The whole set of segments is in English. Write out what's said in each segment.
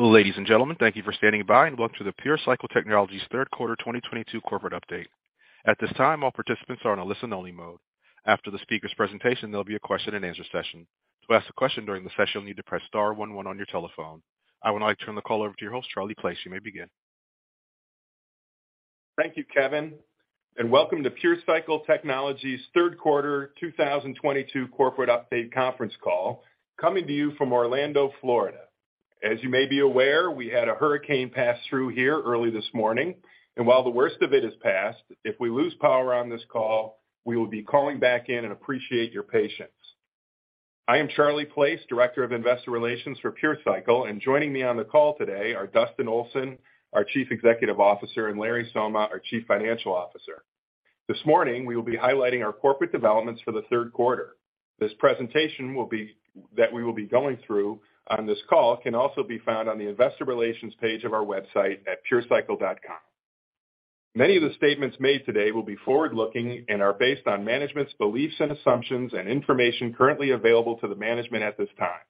Ladies and gentlemen, thank you for standing by, and welcome to the PureCycle Technologies Third Quarter 2022 Corporate Update. At this time, all participants are in a listen only mode. After the speaker's presentation, there'll be a question and answer session. To ask a question during the session, you'll need to press star one one on your telephone. I would now like to turn the call over to your host, Charlie Place. You may begin. Thank you, Kevin, and welcome to PureCycle Technologies Third Quarter 2022 Corporate Update Conference Call coming to you from Orlando, Florida. As you may be aware, we had a hurricane pass through here early this morning, and while the worst of it has passed, if we lose power on this call, we will be calling back in and appreciate your patience. I am Charlie Place, Director of Investor Relations for PureCycle, and joining me on the call today are Dustin Olson, our Chief Executive Officer, and Larry Somma, our Chief Financial Officer. This morning we will be highlighting our corporate developments for the third quarter. This presentation that we will be going through on this call can also be found on the investor relations page of our website at purecycle.com. Many of the statements made today will be forward-looking and are based on management's beliefs and assumptions and information currently available to the management at this time.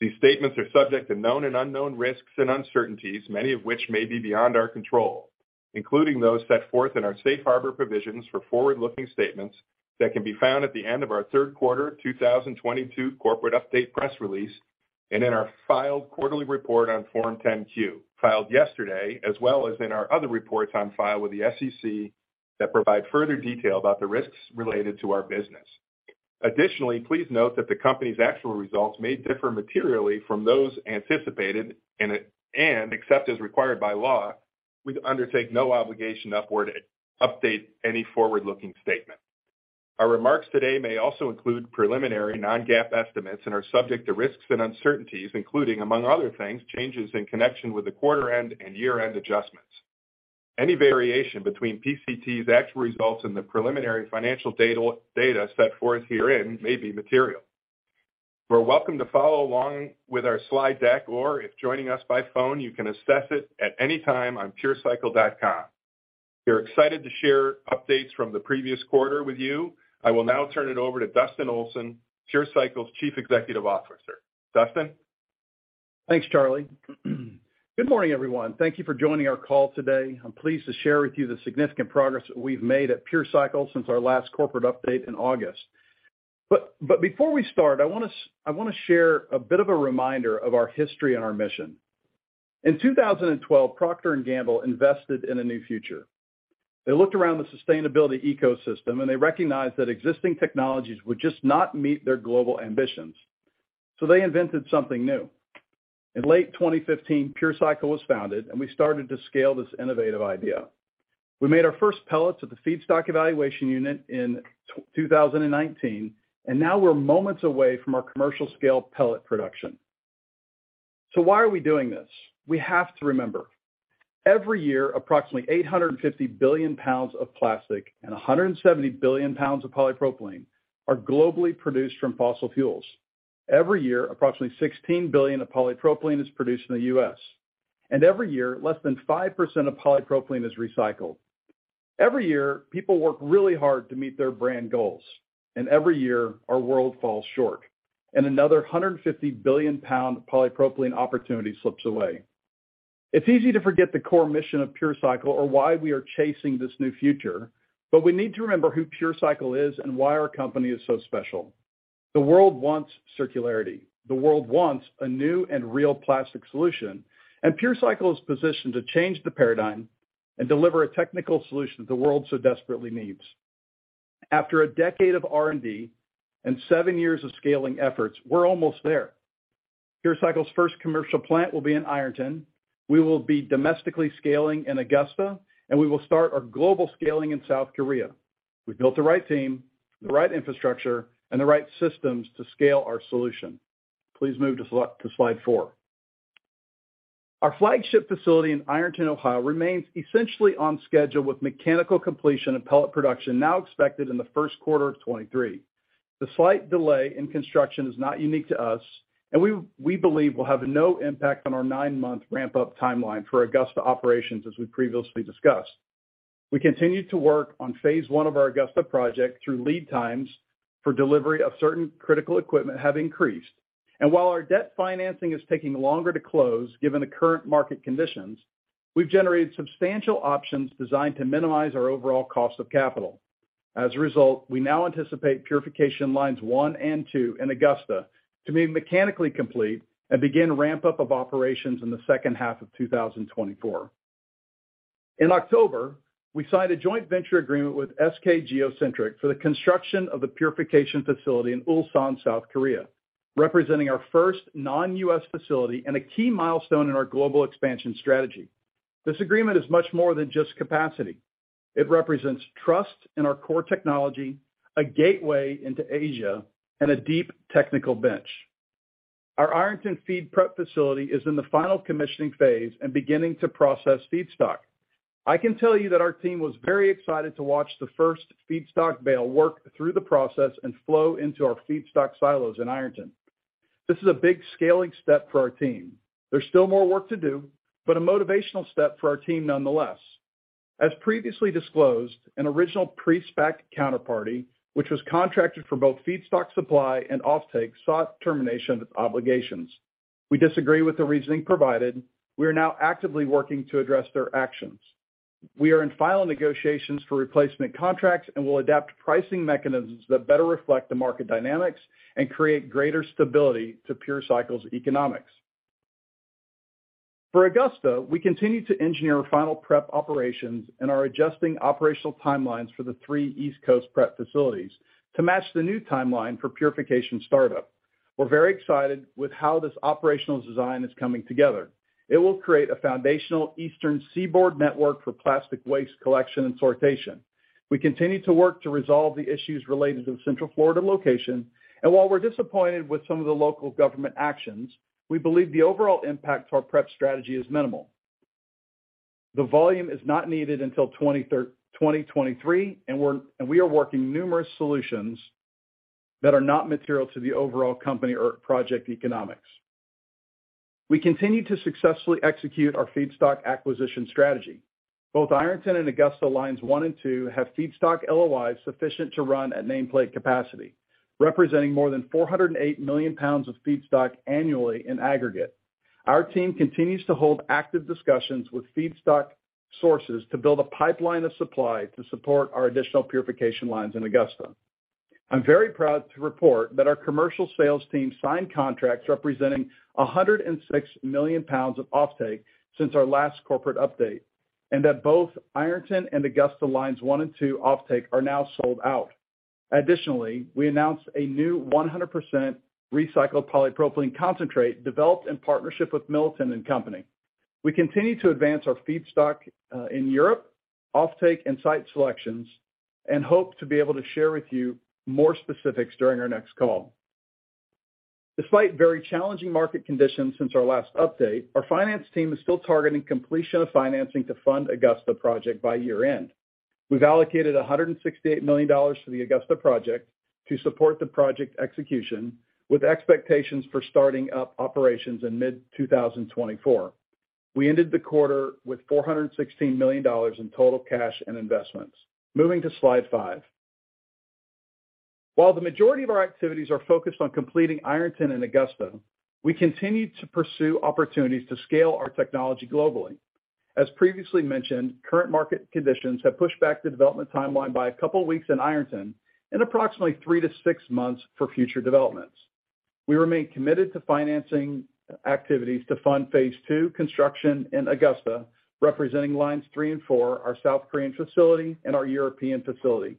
These statements are subject to known and unknown risks and uncertainties, many of which may be beyond our control, including those set forth in our safe harbor provisions for forward-looking statements that can be found at the end of our third quarter 2022 corporate update press release and in our filed quarterly report on Form 10-Q, filed yesterday, as well as in our other reports on file with the SEC that provide further detail about the risks related to our business. Additionally, please note that the company's actual results may differ materially from those anticipated and, except as required by law, we undertake no obligation to update any forward-looking statement. Our remarks today may also include preliminary non-GAAP estimates and are subject to risks and uncertainties including, among other things, changes in connection with the quarter end and year-end adjustments. Any variation between PCT's actual results and the preliminary financial data set forth herein may be material. You're welcome to follow along with our slide deck, or if joining us by phone, you can access it at any time on purecycle.com. We're excited to share updates from the previous quarter with you. I will now turn it over to Dustin Olson, PureCycle's Chief Executive Officer. Dustin. Thanks, Charlie. Good morning, everyone. Thank you for joining our call today. I'm pleased to share with you the significant progress that we've made at PureCycle since our last corporate update in August. Before we start, I want to share a bit of a reminder of our history and our mission. In 2012, Procter & Gamble invested in a new future. They looked around the sustainability ecosystem, and they recognized that existing technologies would just not meet their global ambitions, so they invented something new. In late 2015, PureCycle was founded, and we started to scale this innovative idea. We made our first pellets at the Feedstock Evaluation Unit in 2019, and now we're moments away from our commercial scale pellet production. Why are we doing this? We have to remember, every year, approximately 850 billion pounds of plastic and 170 billion pounds of polypropylene are globally produced from fossil fuels. Every year, approximately 16 billion of polypropylene is produced in the U.S. Every year, less than 5% of polypropylene is recycled. Every year, people work really hard to meet their brand goals, and every year our world falls short and another 150 billion-pound polypropylene opportunity slips away. It's easy to forget the core mission of PureCycle or why we are chasing this new future, but we need to remember who PureCycle is and why our company is so special. The world wants circularity. The world wants a new and real plastic solution, and PureCycle is positioned to change the paradigm and deliver a technical solution the world so desperately needs. After a decade of R&D and seven years of scaling efforts, we're almost there. PureCycle's first commercial plant will be in Ironton. We will be domestically scaling in Augusta, and we will start our global scaling in South Korea. We've built the right team, the right infrastructure, and the right systems to scale our solution. Please move to slide four. Our flagship facility in Ironton, Ohio, remains essentially on schedule with mechanical completion of pellet production now expected in the first quarter of 2023. The slight delay in construction is not unique to us, and we believe will have no impact on our 9-month ramp-up timeline for Augusta operations as we previously discussed. We continue to work on phase 1 of our Augusta project though lead times for delivery of certain critical equipment have increased. While our debt financing is taking longer to close, given the current market conditions, we've generated substantial options designed to minimize our overall cost of capital. As a result, we now anticipate purification lines 1 and 2 in Augusta to be mechanically complete and begin ramp up of operations in the second half of 2024. In October, we signed a joint venture agreement with SK geo centric for the construction of the purification facility in Ulsan, South Korea, representing our first non-US facility and a key milestone in our global expansion strategy. This agreement is much more than just capacity. It represents trust in our core technology, a gateway into Asia, and a deep technical bench. Our Ironton feed prep facility is in the final commissioning phase and beginning to process feedstock. I can tell you that our team was very excited to watch the first feedstock bale work through the process and flow into our feedstock silos in Ironton. This is a big scaling step for our team. There's still more work to do, but a motivational step for our team nonetheless. As previously disclosed, an original pre-spec counterparty which was contracted for both feedstock supply and offtake sought termination of its obligations. We disagree with the reasoning provided. We are now actively working to address their actions. We are in final negotiations for replacement contracts and will adapt pricing mechanisms that better reflect the market dynamics and create greater stability to PureCycle's economics. For Augusta, we continue to engineer final prep operations and are adjusting operational timelines for the three East Coast prep facilities to match the new timeline for purification startup. We're very excited with how this operational design is coming together. It will create a foundational Eastern Seaboard network for plastic waste collection and sortation. We continue to work to resolve the issues related to the Central Florida location, and while we're disappointed with some of the local government actions, we believe the overall impact to our prep strategy is minimal. The volume is not needed until 2023, and we are working numerous solutions that are not material to the overall company or project economics. We continue to successfully execute our feedstock acquisition strategy. Both Ironton and Augusta Lines 1 and 2 have feedstock LOIs sufficient to run at nameplate capacity, representing more than 408 million pounds of feedstock annually in aggregate. Our team continues to hold active discussions with feedstock sources to build a pipeline of supply to support our additional purification lines in Augusta. I'm very proud to report that our commercial sales team signed contracts representing 106 million pounds of offtake since our last corporate update, and that both Ironton and Augusta Lines 1 and 2 offtake are now sold out. Additionally, we announced a new 100% recycled polypropylene concentrate developed in partnership with Milliken & Company. We continue to advance our feedstock in Europe, offtake and site selections, and hope to be able to share with you more specifics during our next call. Despite very challenging market conditions since our last update, our finance team is still targeting completion of financing to fund Augusta project by year-end. We've allocated $168 million to the Augusta project to support the project execution, with expectations for starting up operations in mid-2024. We ended the quarter with $416 million in total cash and investments. Moving to slide five. While the majority of our activities are focused on completing Ironton and Augusta, we continue to pursue opportunities to scale our technology globally. As previously mentioned, current market conditions have pushed back the development timeline by a couple weeks in Ironton and approximately three-six months for future developments. We remain committed to financing activities to fund phase two construction in Augusta, representing lines 3 and 4, our South Korean facility and our European facility,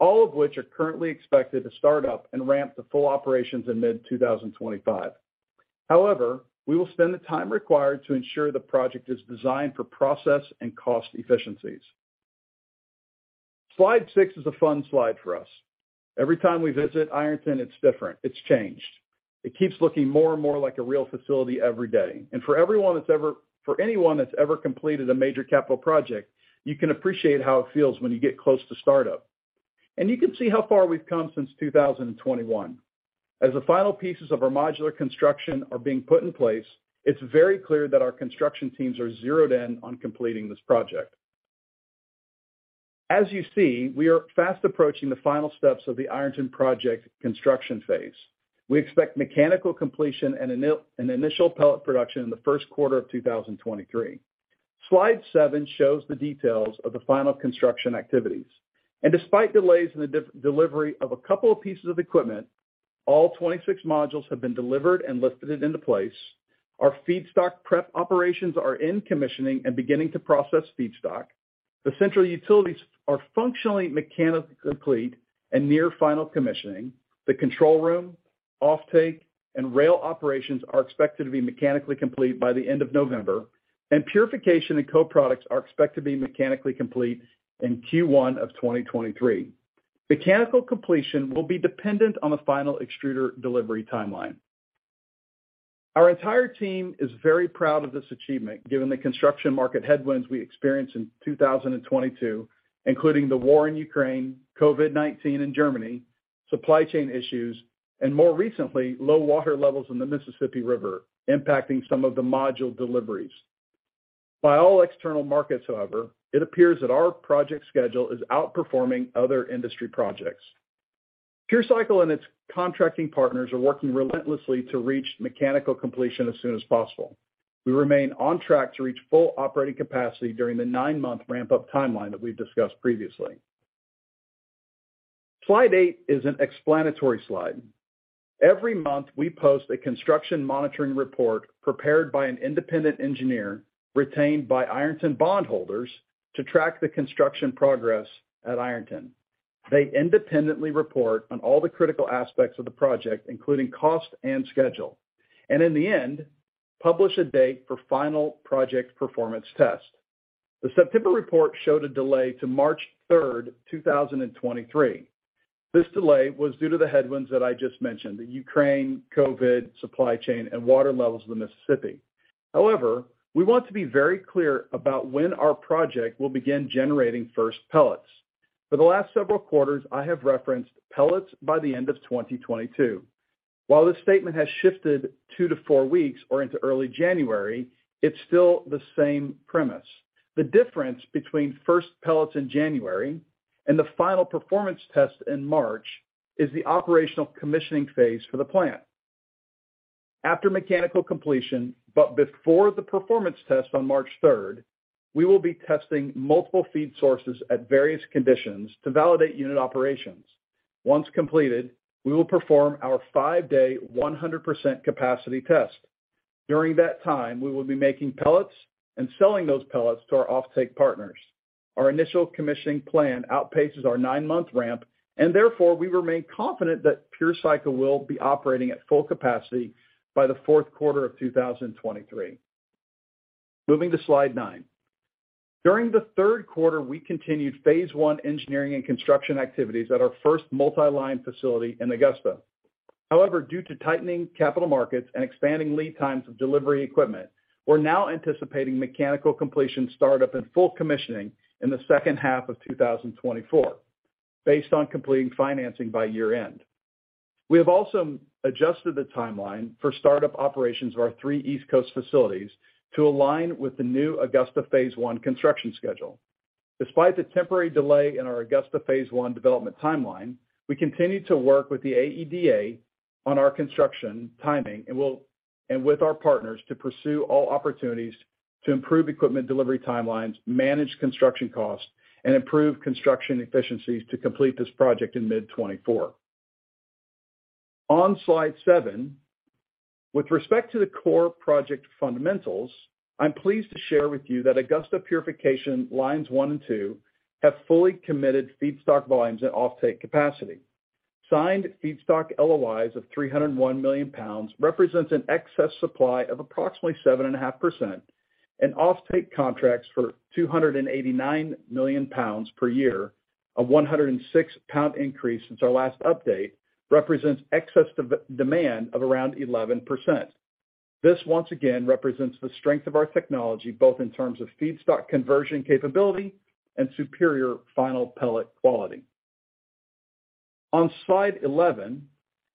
all of which are currently expected to start up and ramp to full operations in mid-2025. However, we will spend the time required to ensure the project is designed for process and cost efficiencies. Slide six is a fun slide for us. Every time we visit Ironton, it's different. It's changed. It keeps looking more and more like a real facility every day. For anyone that's ever completed a major capital project, you can appreciate how it feels when you get close to startup. You can see how far we've come since 2021. As the final pieces of our modular construction are being put in place, it's very clear that our construction teams are zeroed in on completing this project. As you see, we are fast approaching the final steps of the Ironton project construction phase. We expect mechanical completion and initial pellet production in the first quarter of 2023. Slide seven shows the details of the final construction activities. Despite delays in the delivery of a couple of pieces of equipment, all 26 modules have been delivered and lifted into place. Our feedstock prep operations are in commissioning and beginning to process feedstock. The central utilities are functionally mechanically complete and near final commissioning. The control room, offtake, and rail operations are expected to be mechanically complete by the end of November. Purification and co-products are expected to be mechanically complete in Q1 of 2023. Mechanical completion will be dependent on the final extruder delivery timeline. Our entire team is very proud of this achievement, given the construction market headwinds we experienced in 2022, including the war in Ukraine, COVID-19 in Germany, supply chain issues, and more recently, low water levels in the Mississippi River impacting some of the module deliveries. By all external markets, however, it appears that our project schedule is outperforming other industry projects. PureCycle and its contracting partners are working relentlessly to reach mechanical completion as soon as possible. We remain on track to reach full operating capacity during the nine-month ramp-up timeline that we've discussed previously. Slide eight is an explanatory slide. Every month, we post a construction monitoring report prepared by an independent engineer retained by Ironton bondholders to track the construction progress at Ironton. They independently report on all the critical aspects of the project, including cost and schedule, and in the end, publish a date for final project performance test. The September report showed a delay to March 3rd, 2023. This delay was due to the headwinds that I just mentioned, the Ukraine, COVID, supply chain, and water levels of the Mississippi. However, we want to be very clear about when our project will begin generating first pellets. For the last several quarters, I have referenced pellets by the end of 2022. While the statement has shifted two-four weeks or into early January, it's still the same premise. The difference between first pellets in January and the final performance test in March is the operational commissioning phase for the plant. After mechanical completion, but before the performance test on March 3rd, we will be testing multiple feed sources at various conditions to validate unit operations. Once completed, we will perform our five-day 100% capacity test. During that time, we will be making pellets and selling those pellets to our offtake partners. Our initial commissioning plan outpaces our nine-month ramp, and therefore, we remain confident that PureCycle will be operating at full capacity by the fourth quarter of 2023. Moving to slide nine. During the third quarter, we continued phase one engineering and construction activities at our first multi-line facility in Augusta. However, due to tightening capital markets and expanding lead times of delivery equipment, we're now anticipating mechanical completion startup and full commissioning in the second half of 2024 based on completing financing by year-end. We have also adjusted the timeline for startup operations of our three East Coast facilities to align with the new Augusta phase one construction schedule. Despite the temporary delay in our Augusta phase one development timeline, we continue to work with the AEDA on our construction timing and with our partners to pursue all opportunities to improve equipment delivery timelines, manage construction costs, and improve construction efficiencies to complete this project in mid-2024. On slide seven, with respect to the core project fundamentals, I'm pleased to share with you that Augusta Purification lines one and two have fully committed feedstock volumes and offtake capacity. Signed feedstock LOIs of 301 million pounds represents an excess supply of approximately 7.5% and offtake contracts for 289 million pounds per year. A 106-pound increase since our last update represents excess demand of around 11%. This once again represents the strength of our technology, both in terms of feedstock conversion capability and superior final pellet quality. On slide 11,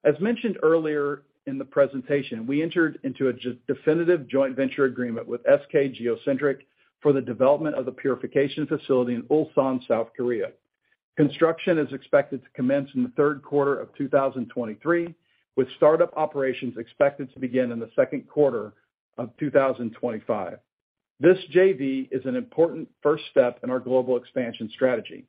as mentioned earlier in the presentation, we entered into a definitive joint venture agreement with SK geo centric for the development of the purification facility in Ulsan, South Korea. Construction is expected to commence in the third quarter of 2023, with startup operations expected to begin in the second quarter of 2025. This JV is an important first step in our global expansion strategy.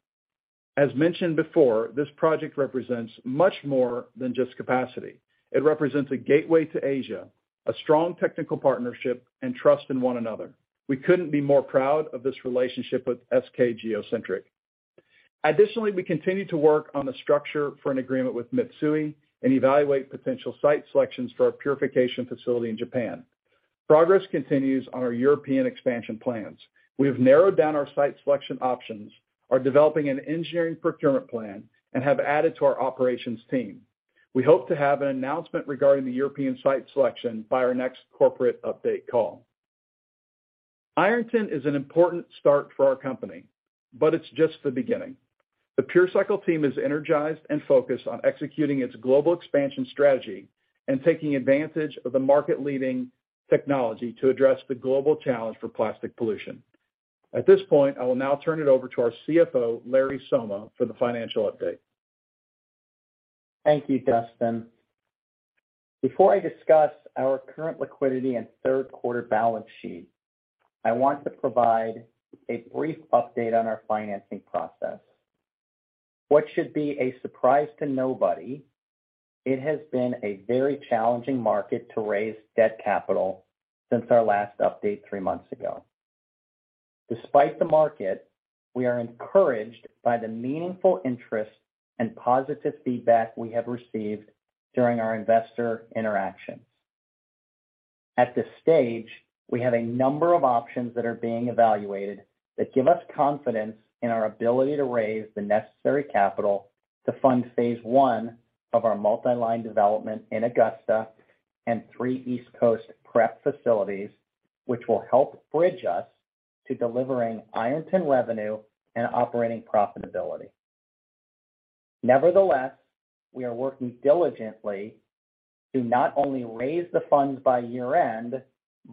As mentioned before, this project represents much more than just capacity. It represents a gateway to Asia, a strong technical partnership, and trust in one another. We couldn't be more proud of this relationship with SK geo centric. Additionally, we continue to work on the structure for an agreement with Mitsui and evaluate potential site selections for our purification facility in Japan. Progress continues on our European expansion plans. We have narrowed down our site selection options, are developing an engineering procurement plan, and have added to our operations team. We hope to have an announcement regarding the European site selection by our next corporate update call. Ironton is an important start for our company, but it's just the beginning. The PureCycle team is energized and focused on executing its global expansion strategy and taking advantage of the market-leading technology to address the global challenge for plastic pollution. At this point, I will now turn it over to our CFO, Larry Somma, for the financial update. Thank you, Dustin. Before I discuss our current liquidity and third quarter balance sheet, I want to provide a brief update on our financing process. What should be no surprise to nobody, it has been a very challenging market to raise debt capital since our last update three months ago. Despite the market, we are encouraged by the meaningful interest and positive feedback we have received during our investor interactions. At this stage, we have a number of options that are being evaluated that give us confidence in our ability to raise the necessary capital to fund phase one of our multi-line development in Augusta and three East Coast prep facilities, which will help bridge us to delivering Ironton revenue and operating profitability. Nevertheless, we are working diligently to not only raise the funds by year-end,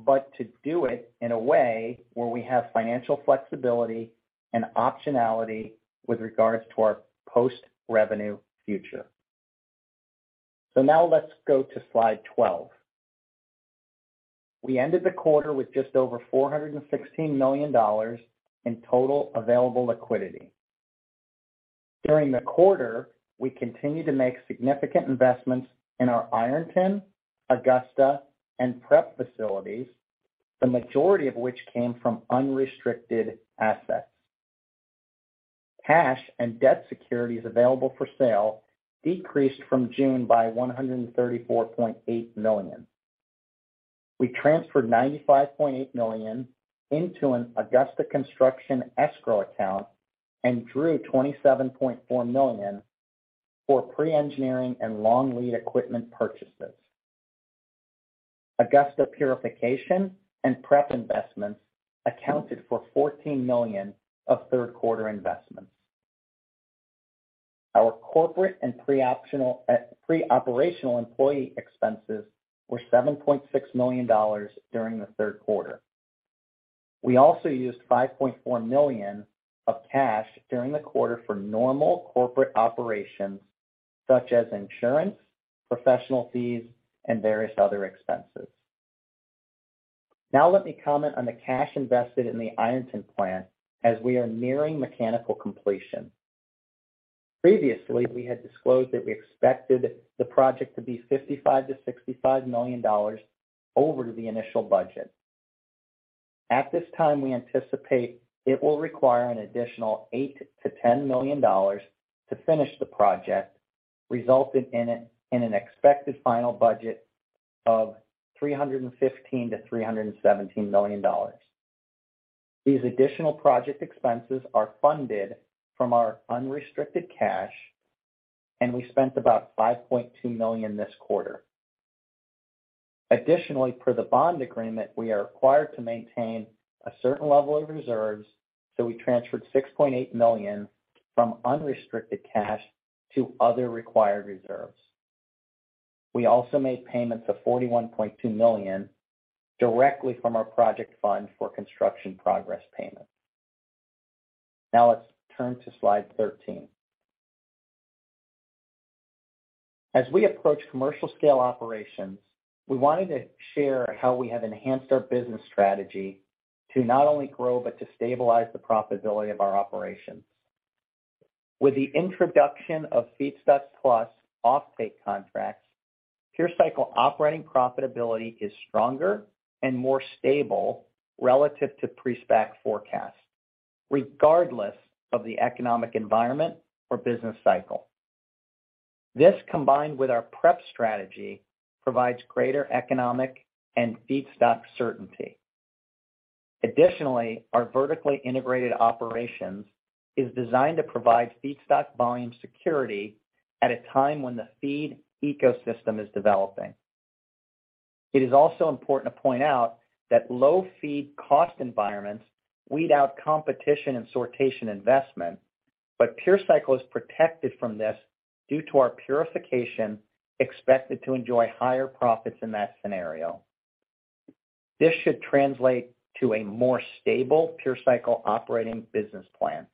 but to do it in a way where we have financial flexibility and optionality with regards to our post-revenue future. Now let's go to slide 12. We ended the quarter with just over $416 million in total available liquidity. During the quarter, we continued to make significant investments in our Ironton, Augusta, and prep facilities, the majority of which came from unrestricted assets. Cash and debt securities available for sale decreased from June by $134.8 million. We transferred $95.8 million into an Augusta construction escrow account and drew $27.4 million for pre-engineering and long lead equipment purchases. Augusta purification and prep investments accounted for $14 million of third quarter investments. Our corporate and pre-operational employee expenses were $7.6 million during the third quarter. We also used $5.4 million of cash during the quarter for normal corporate operations such as insurance, professional fees, and various other expenses. Now let me comment on the cash invested in the Ironton plant as we are nearing mechanical completion. Previously, we had disclosed that we expected the project to be $55-$65 million over the initial budget. At this time, we anticipate it will require an additional $8-$10 million to finish the project, resulting in an expected final budget of $315-$317 million. These additional project expenses are funded from our unrestricted cash, and we spent about $5.2 million this quarter. Additionally, per the bond agreement, we are required to maintain a certain level of reserves, so we transferred $6.8 million from unrestricted cash to other required reserves. We also made payments of $41.2 million directly from our project fund for construction progress payment. Now let's turn to slide 13. As we approach commercial scale operations, we wanted to share how we have enhanced our business strategy to not only grow, but to stabilize the profitability of our operations. With the introduction of Feedstock+ offtake contracts, PureCycle operating profitability is stronger and more stable relative to pre-SPAC forecasts, regardless of the economic environment or business cycle. This, combined with our prep strategy, provides greater economic and feedstock certainty. Additionally, our vertically integrated operations is designed to provide feedstock volume security at a time when the feedstock ecosystem is developing. It is also important to point out that low feed cost environments weed out competition and sortation investment, but PureCycle is protected from this due to our purification expected to enjoy higher profits in that scenario. This should translate to a more stable PureCycle operating business plan.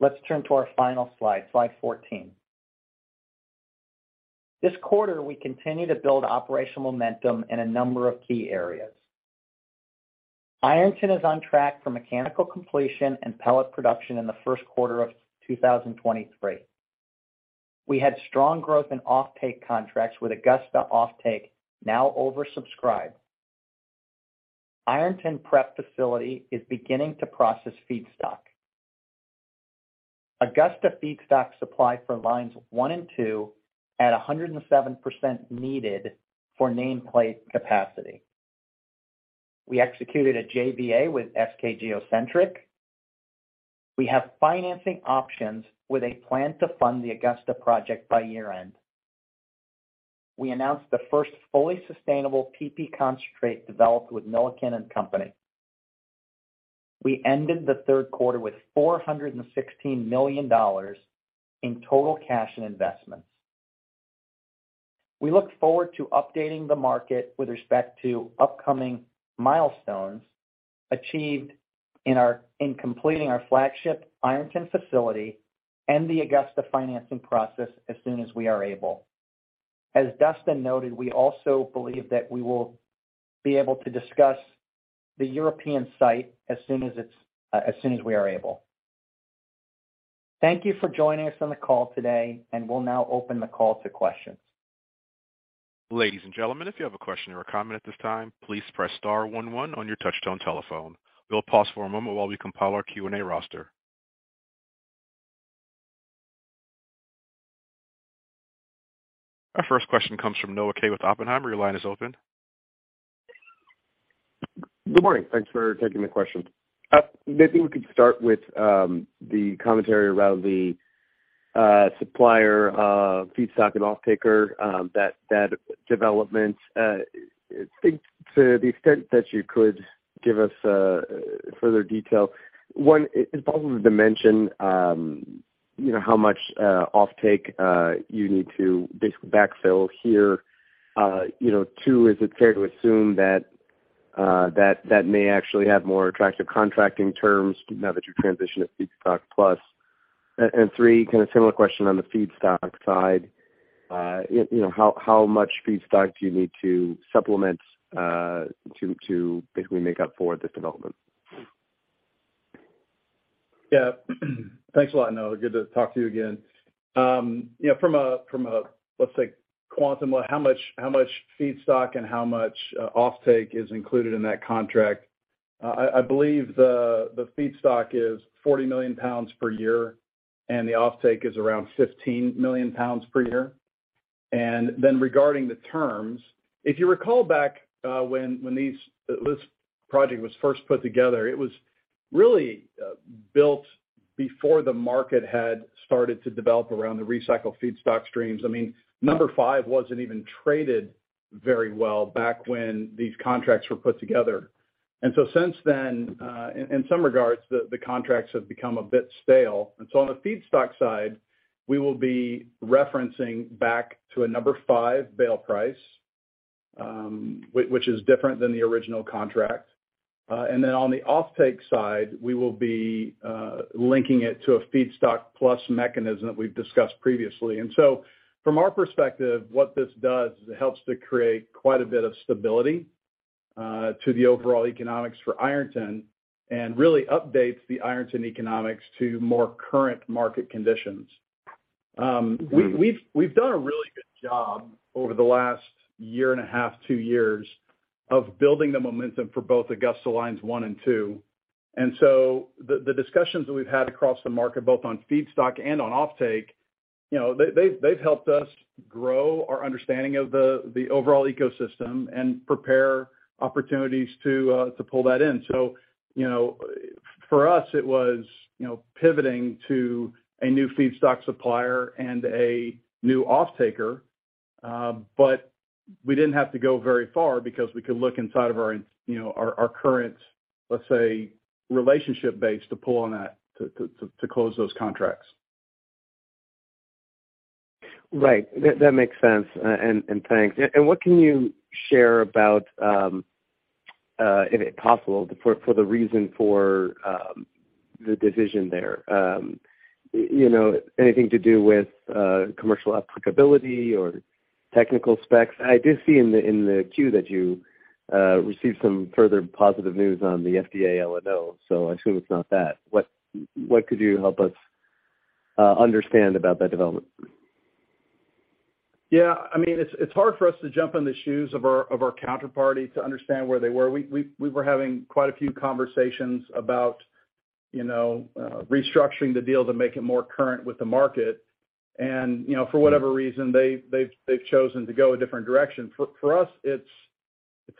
Let's turn to our final slide 14. This quarter, we continue to build operational momentum in a number of key areas. Ironton is on track for mechanical completion and pellet production in the first quarter of 2023. We had strong growth in offtake contracts, with Augusta offtake now oversubscribed. Ironton prep facility is beginning to process feedstock. Augusta feedstock supply for lines 1 and 2 at 107% needed for nameplate capacity. We executed a JVA with SK geo centric. We have financing options with a plan to fund the Augusta project by year-end. We announced the first fully sustainable PP concentrate developed with Milliken & Company. We ended the third quarter with $416 million in total cash and investments. We look forward to updating the market with respect to upcoming milestones achieved in completing our flagship Ironton facility and the Augusta financing process as soon as we are able. As Dustin noted, we also believe that we will be able to discuss the European site as soon as we are able. Thank you for joining us on the call today, and we'll now open the call to questions. Ladies and gentlemen, if you have a question or a comment at this time, please press star one one on your touch-tone telephone. We'll pause for a moment while we compile our Q&A roster. Our first question comes from Noah Kaye with Oppenheimer. Your line is open. Good morning. Thanks for taking the question. Maybe we could start with the commentary around the supplier feedstock and offtaker that development. I think to the extent that you could give us further detail. One, it's possible to mention, you know, how much offtake you need to basically backfill here. You know, two, is it fair to assume that that may actually have more attractive contracting terms now that you're transitioned to Feedstock+? And three, kind of similar question on the feedstock side. You know, how much feedstock do you need to supplement to basically make up for the development? Yeah. Thanks a lot, Noah. Good to talk to you again. You know, from a let's say how much feedstock and how much offtake is included in that contract. I believe the feedstock is 40 million pounds per year, and the offtake is around 15 million pounds per year. Then regarding the terms, if you recall back, when this project was first put together, it was really. Built before the market had started to develop around the recycled feedstock streams. I mean, No. 5 wasn't even traded very well back when these contracts were put together. Since then, in some regards, the contracts have become a bit stale. On the feedstock side, we will be referencing back to a No. 5 bale price, which is different than the original contract. On the offtake side, we will be linking it to a feedstock plus mechanism that we've discussed previously. From our perspective, what this does is it helps to create quite a bit of stability to the overall economics for Ironton and really updates the Ironton economics to more current market conditions. We've done a really good job over the last year and a half, two years of building the momentum for both Augusta lines one and two. The discussions that we've had across the market, both on feedstock and on offtake, you know, they've helped us grow our understanding of the overall ecosystem and prepare opportunities to pull that in. You know, for us, it was pivoting to a new feedstock supplier and a new offtaker. We didn't have to go very far because we could look inside of our current, let's say, relationship base to pull on that to close those contracts. Right. That makes sense. Thanks. What can you share about, if possible, for the reason for the decision there? You know, anything to do with commercial applicability or technical specs? I did see in the 10-Q that you received some further positive news on the FDA LNO, so I assume it's not that. What could you help us understand about that development? Yeah. I mean, it's hard for us to jump in the shoes of our counterparty to understand where they were. We were having quite a few conversations about, you know, restructuring the deal to make it more current with the market. You know, for whatever reason, they've chosen to go a different direction. For us, it's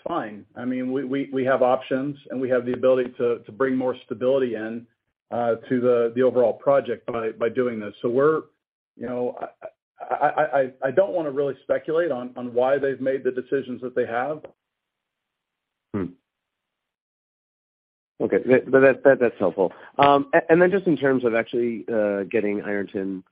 fine. I mean, we have options, and we have the ability to bring more stability into the overall project by doing this. So we're. You know, I don't wanna really speculate on why they've made the decisions that they have. Okay. That's helpful. And then just in terms of actually getting Ironton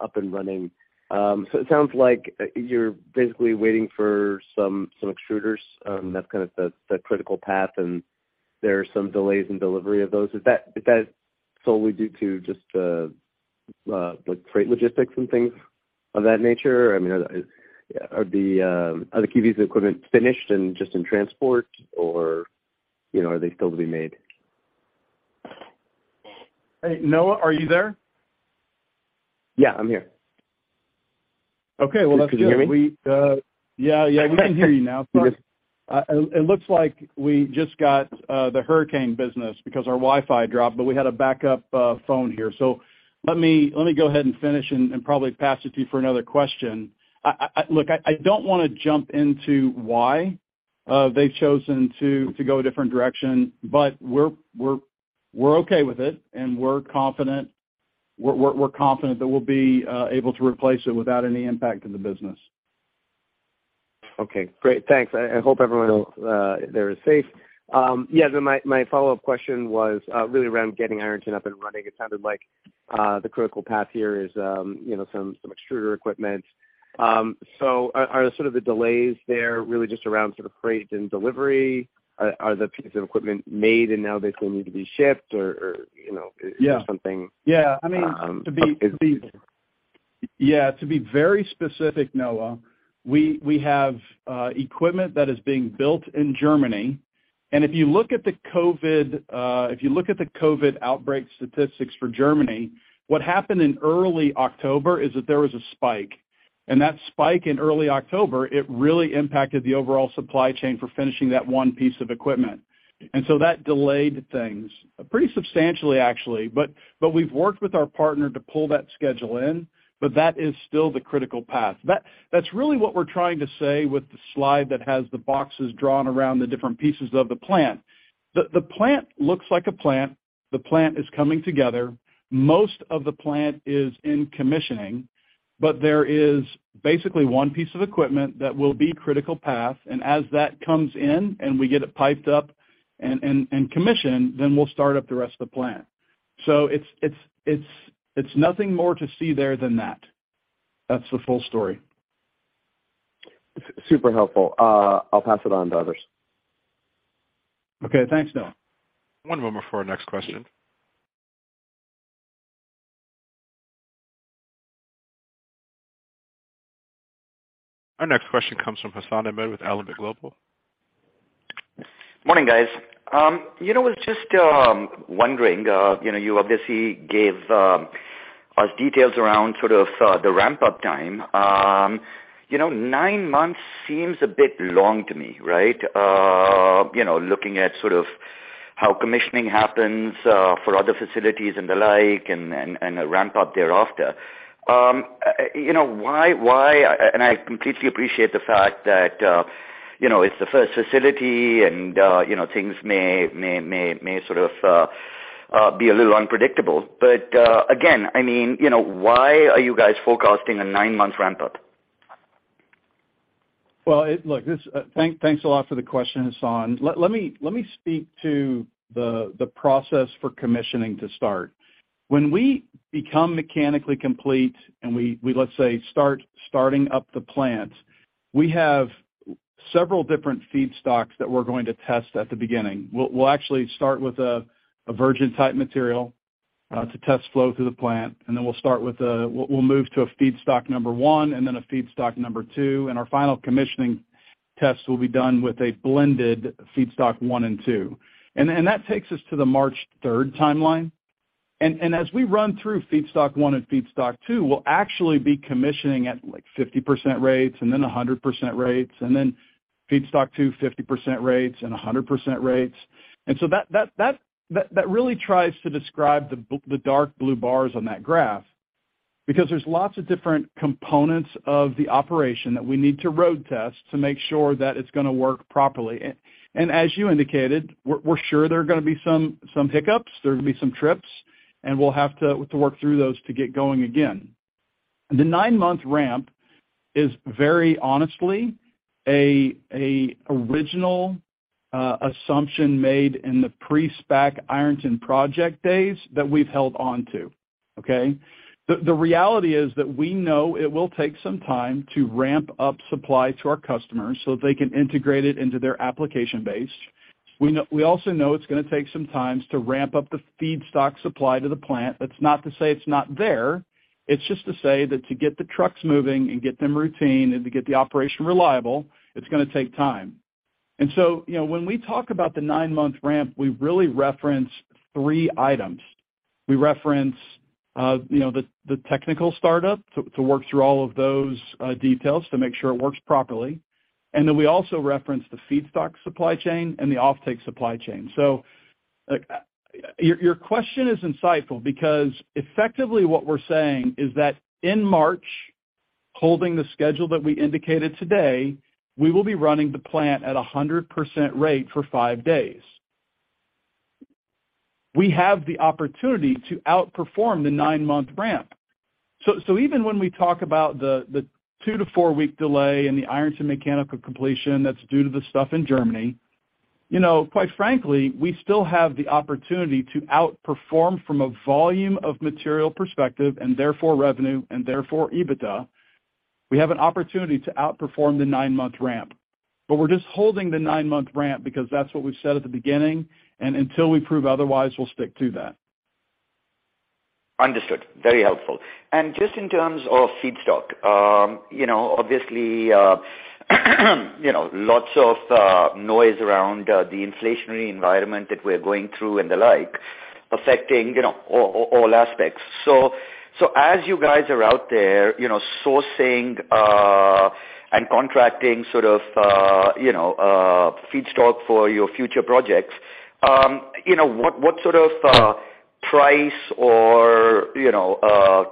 up and running. It sounds like you're basically waiting for some extruders, that's kind of the critical path, and there are some delays in delivery of those. Is that solely due to just like freight logistics and things of that nature? I mean, are the key pieces of equipment finished and just in transport or, you know, are they still to be made? Hey, Noah, are you there? Yeah, I'm here. Okay. Well, that's good. Can you hear me? Yeah, yeah, we can hear you now. Sorry. It looks like we just got the hurricane business because our Wi-Fi dropped, but we had a backup phone here. Let me go ahead and finish and probably pass it to you for another question. Look, I don't wanna jump into why they've chosen to go a different direction, but we're okay with it, and we're confident that we'll be able to replace it without any impact to the business. Okay, great. Thanks. I hope everyone there is safe. Yeah. My follow-up question was really around getting Ironton up and running. It sounded like the critical path here is you know some extruder equipment. Are sort of the delays there really just around sort of freight and delivery? Are the pieces of equipment made and now they still need to be shipped or you know- Yeah. Is there something? Yeah. I mean, Is- Yeah. To be very specific, Noah, we have equipment that is being built in Germany. If you look at the COVID outbreak statistics for Germany, what happened in early October is that there was a spike. That spike in early October really impacted the overall supply chain for finishing that one piece of equipment. That delayed things pretty substantially actually. We've worked with our partner to pull that schedule in, but that is still the critical path. That's really what we're trying to say with the slide that has the boxes drawn around the different pieces of the plant. The plant looks like a plant. The plant is coming together. Most of the plant is in commissioning, but there is basically one piece of equipment that will be critical path. As that comes in and we get it piped up and commissioned, then we'll start up the rest of the plant. It's nothing more to see there than that. That's the full story. Super helpful. I'll pass it on to others. Okay. Thanks, Noah. One moment before our next question. Our next question comes from Hassan Ahmed with Alembic Global Advisors. Morning, guys. You know, I was just wondering, you know, you obviously gave us details around sort of the ramp-up time. You know, nine months seems a bit long to me, right? You know, looking at sort of how commissioning happens for other facilities and the like, and a ramp-up thereafter. You know, why. I completely appreciate the fact that you know, it's the first facility and you know, things may sort of be a little unpredictable. Again, I mean, you know, why are you guys forecasting a nine-month ramp-up? Well, thanks a lot for the question, Hassan. Let me speak to the process for commissioning to start. When we become mechanically complete and, let's say, start up the plant, we have several different feedstocks that we're going to test at the beginning. We'll actually start with a virgin type material to test flow through the plant, and then we'll move to a feedstock number one and then a feedstock number two, and our final commissioning test will be done with a blended feedstock one and two. That takes us to the March 3rd timeline. As we run through feedstock one and feedstock two, we'll actually be commissioning at, like, 50% rates and then 100% rates, and then feedstock two, 50% rates and 100% rates. That really tries to describe the dark blue bars on that graph because there's lots of different components of the operation that we need to road test to make sure that it's gonna work properly. As you indicated, we're sure there are gonna be some hiccups, there are gonna be some trips, and we'll have to work through those to get going again. The nine-month ramp is very honestly an original assumption made in the pre-SPAC Ironton project days that we've held on to. Okay? The reality is that we know it will take some time to ramp up supply to our customers so that they can integrate it into their application base. We also know it's gonna take some time to ramp up the feedstock supply to the plant. That's not to say it's not there. It's just to say that to get the trucks moving and get them routine and to get the operation reliable, it's gonna take time. You know, when we talk about the nine-month ramp, we really reference three items. We reference you know the technical startup to work through all of those details to make sure it works properly. Then we also reference the feedstock supply chain and the offtake supply chain. Your question is insightful because effectively what we're saying is that in March, holding the schedule that we indicated today, we will be running the plant at 100% rate for five days. We have the opportunity to outperform the nine-month ramp. Even when we talk about the two-four-week delay in the Ironton mechanical completion that's due to the stuff in Germany, you know, quite frankly, we still have the opportunity to outperform from a volume of material perspective and therefore revenue and therefore EBITDA. We have an opportunity to outperform the nine-month ramp. We're just holding the nine-month ramp because that's what we've said at the beginning, and until we prove otherwise, we'll stick to that. Understood. Very helpful. Just in terms of feedstock, you know, obviously, you know, lots of noise around the inflationary environment that we're going through and the like affecting, you know, all aspects. As you guys are out there, you know, sourcing and contracting sort of, you know, feedstock for your future projects, you know, what sort of price or, you know,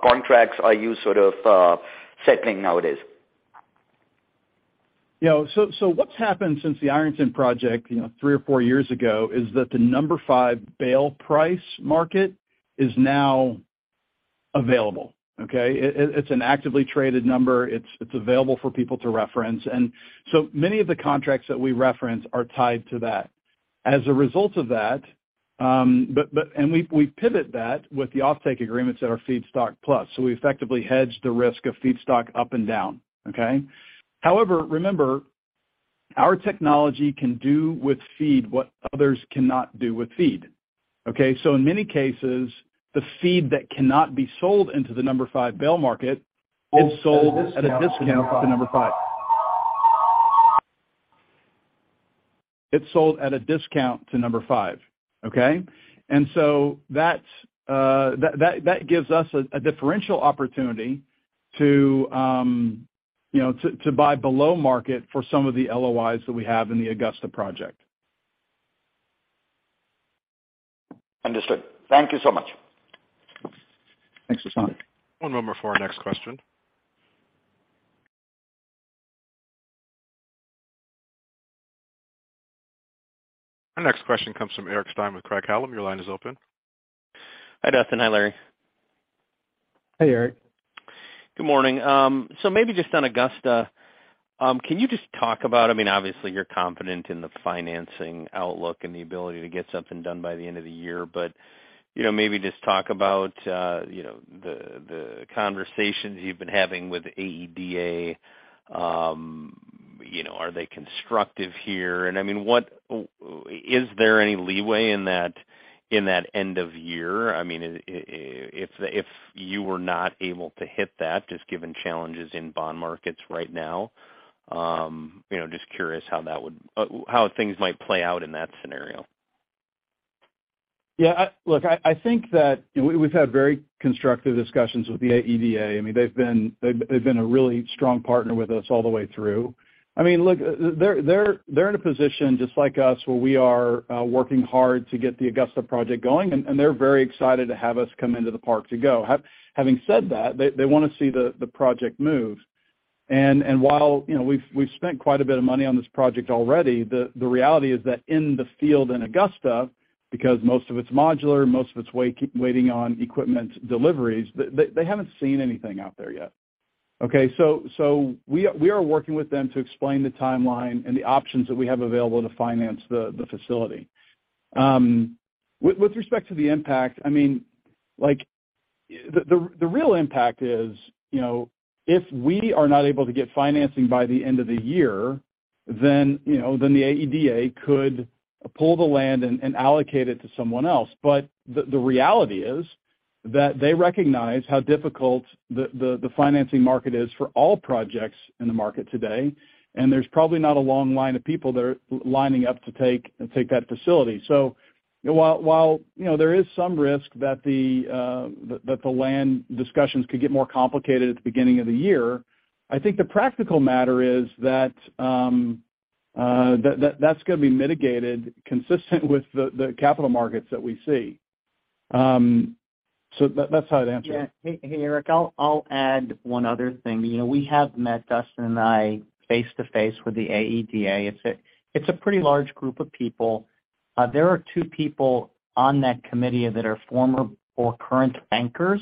contracts are you sort of settling nowadays? You know, so what's happened since the Ironton project, you know, three or four years ago, is that the No. 5 bale price market is now available, okay? It's an actively traded number. It's available for people to reference. So many of the contracts that we reference are tied to that. As a result of that, we pivot that with the offtake agreements that are feedstock plus, so we effectively hedge the risk of feedstock up and down, okay? However, remember, our technology can do with feed what others cannot do with feed, okay? In many cases, the feed that cannot be sold into the No. 5 bale market is sold at a discount to number five. It's sold at a discount to number five, okay? That gives us a differential opportunity to you know to buy below market for some of the LOIs that we have in the Augusta project. Understood. Thank you so much. Thanks, Hassan. One moment for our next question. Our next question comes from Eric Stine with Craig-Hallum. Your line is open. Hi, Dustin. Hi, Larry. Hey, Eric. Good morning. So maybe just on Augusta, can you just talk about. I mean, obviously you're confident in the financing outlook and the ability to get something done by the end of the year, but, you know, maybe just talk about, you know, the conversations you've been having with AEDA. You know, are they constructive here? I mean, what is there any leeway in that end of year? I mean, if you were not able to hit that, just given challenges in bond markets right now, you know, just curious how that would how things might play out in that scenario. Yeah. Look, I think that we've had very constructive discussions with the AEDA. I mean, they've been a really strong partner with us all the way through. I mean, look, they're in a position just like us, where we are working hard to get the Augusta project going, and they're very excited to have us come into the park to go. Having said that, they wanna see the project move. While, you know, we've spent quite a bit of money on this project already, the reality is that in the field in Augusta, because most of it's modular, most of it's waiting on equipment deliveries, they haven't seen anything out there yet. Okay. We are working with them to explain the timeline and the options that we have available to finance the facility. With respect to the impact, I mean, like, the real impact is if we are not able to get financing by the end of the year, then the AEDA could pull the land and allocate it to someone else. The reality is that they recognize how difficult the financing market is for all projects in the market today. There's probably not a long line of people that are lining up to take that facility. While you know there is some risk that the land discussions could get more complicated at the beginning of the year, I think the practical matter is that that's gonna be mitigated consistent with the capital markets that we see. That's how I'd answer it. Yeah. Hey, Eric, I'll add one other thing. You know, we have met, Dustin and I, face-to-face with the AEDA. It's a pretty large group of people. There are two people on that committee that are former or current bankers,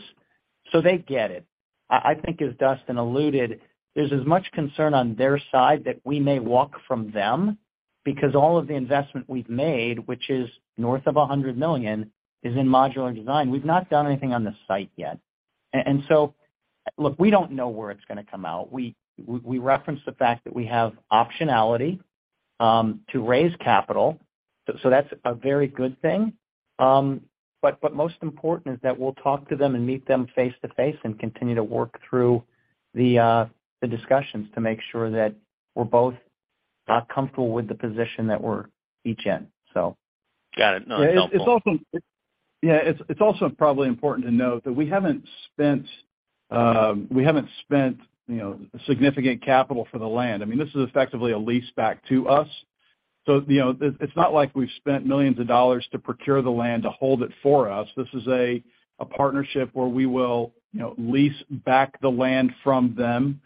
so they get it. I think as Dustin alluded, there's as much concern on their side that we may walk from them because all of the investment we've made, which is north of $100 million, is in modular design. We've not done anything on the site yet. Look, we don't know where it's gonna come out. We reference the fact that we have optionality to raise capital, so that's a very good thing. What's most important is that we'll talk to them and meet them face-to-face and continue to work through the discussions to make sure that we're both comfortable with the position that we're each in. Got it. No, that's helpful. It's also probably important to note that we haven't spent, you know, significant capital for the land. I mean, this is effectively a lease back to us. You know, it's not like we've spent millions of dollars to procure the land to hold it for us. This is a partnership where we will, you know, lease back the land from them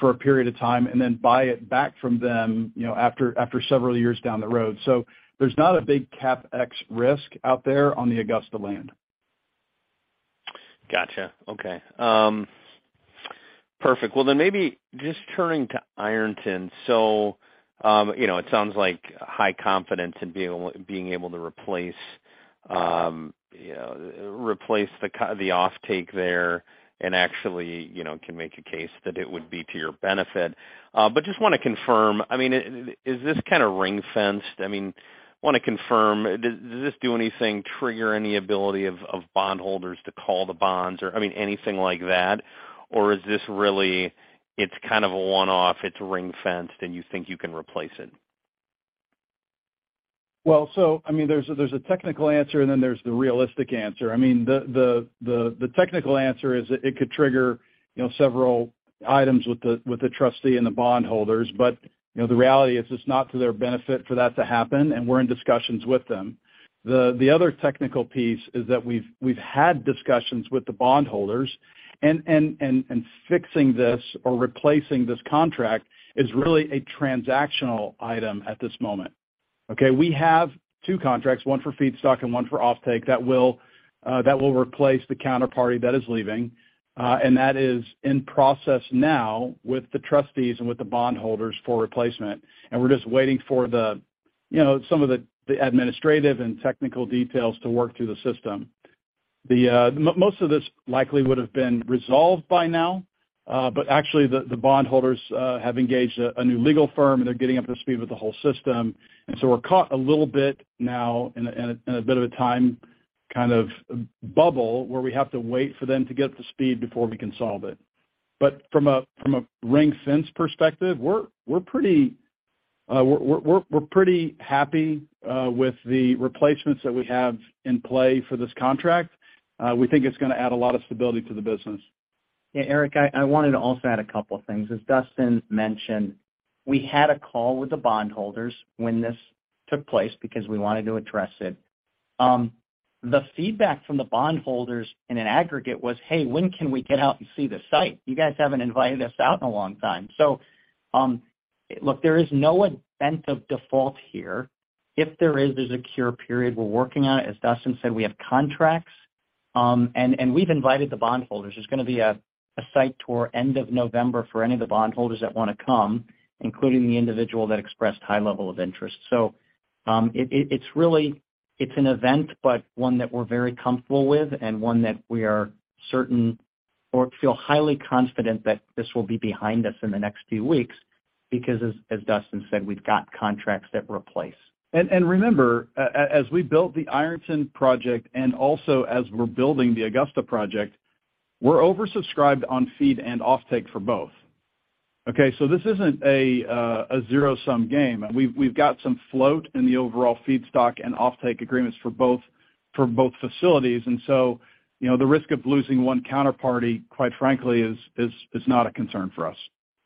for a period of time and then buy it back from them, you know, after several years down the road. There's not a big CapEx risk out there on the Augusta land. Gotcha. Okay. Perfect. Well, maybe just turning to Ironton. You know, it sounds like high confidence in being able to replace the offtake there and actually, you know, can make a case that it would be to your benefit. Just wanna confirm, I mean, is this kind of ring-fenced? I mean, wanna confirm, does this do anything, trigger any ability of bondholders to call the bonds or, I mean, anything like that? Is this really, it's kind of a one-off, it's ring-fenced, and you think you can replace it? Well, I mean, there's a technical answer, and then there's the realistic answer. I mean, the technical answer is it could trigger, you know, several items with the trustee and the bondholders. You know, the reality is it's not to their benefit for that to happen, and we're in discussions with them. The other technical piece is that we've had discussions with the bondholders and fixing this or replacing this contract is really a transactional item at this moment. Okay. We have two contracts, one for feedstock and one for offtake that will replace the counterparty that is leaving, and that is in process now with the trustees and with the bondholders for replacement. We're just waiting for some of the administrative and technical details to work through the system. The most of this likely would have been resolved by now, but actually the bondholders have engaged a new legal firm, and they're getting up to speed with the whole system. We're caught a little bit now in a bit of a time kind of bubble where we have to wait for them to get up to speed before we can solve it. From a ring-fence perspective, we're pretty happy with the replacements that we have in play for this contract. We think it's gonna add a lot of stability to the business. Yeah, Eric, I wanted to also add a couple of things. As Dustin mentioned, we had a call with the bondholders when this took place because we wanted to address it. The feedback from the bondholders in an aggregate was, "Hey, when can we get out and see the site? You guys haven't invited us out in a long time." Look, there is no event of default here. If there is, there's a cure period. We're working on it. As Dustin said, we have contracts and we've invited the bondholders. There's gonna be a site tour end of November for any of the bondholders that wanna come, including the individual that expressed high level of interest. It's really an event, but one that we're very comfortable with and one that we are certain or feel highly confident that this will be behind us in the next few weeks because as Dustin said, we've got contracts that replace. Remember, as we built the Ironton project and also as we're building the Augusta project, we're oversubscribed on feed and offtake for both. Okay. This isn't a zero-sum game. We've got some float in the overall feedstock and offtake agreements for both facilities. You know, the risk of losing one counterparty, quite frankly, is not a concern for us.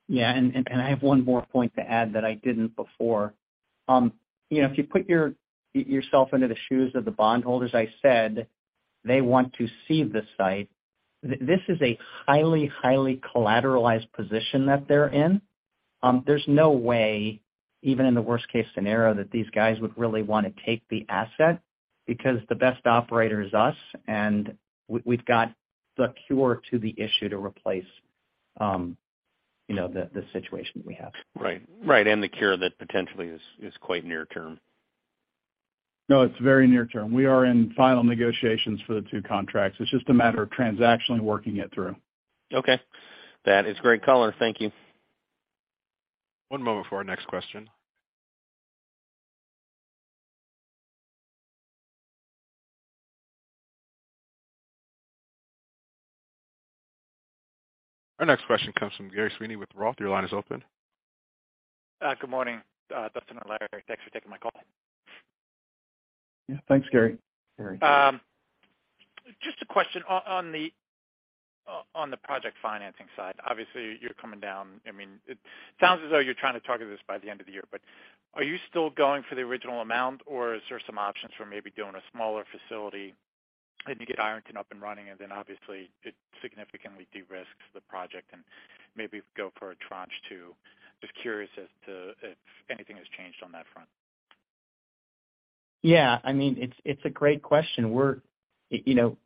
Yeah, I have one more point to add that I didn't before. You know, if you put yourself into the shoes of the bondholders, they want to seize the site. This is a highly collateralized position that they're in. There's no way, even in the worst case scenario, that these guys would really wanna take the asset because the best operator is us, and we've got the cure to the issue to replace, you know, the situation we have. Right. The cure that potentially is quite near term. No, it's very near term. We are in final negotiations for the two contracts. It's just a matter of transactionally working it through. Okay. That is great color. Thank you. One moment for our next question. Our next question comes from Gerry Sweeney with Roth. Your line is open. Good morning, Dustin and Larry. Thanks for taking my call. Yeah, thanks, Gerry. Just a question on the project financing side. Obviously, you're coming down. I mean, it sounds as though you're trying to target this by the end of the year, but are you still going for the original amount, or is there some options for maybe doing a smaller facility and you get Ironton up and running, and then obviously it significantly de-risks the project and maybe go for a tranche two? Just curious as to if anything has changed on that front. Yeah. I mean, it's a great question. You know,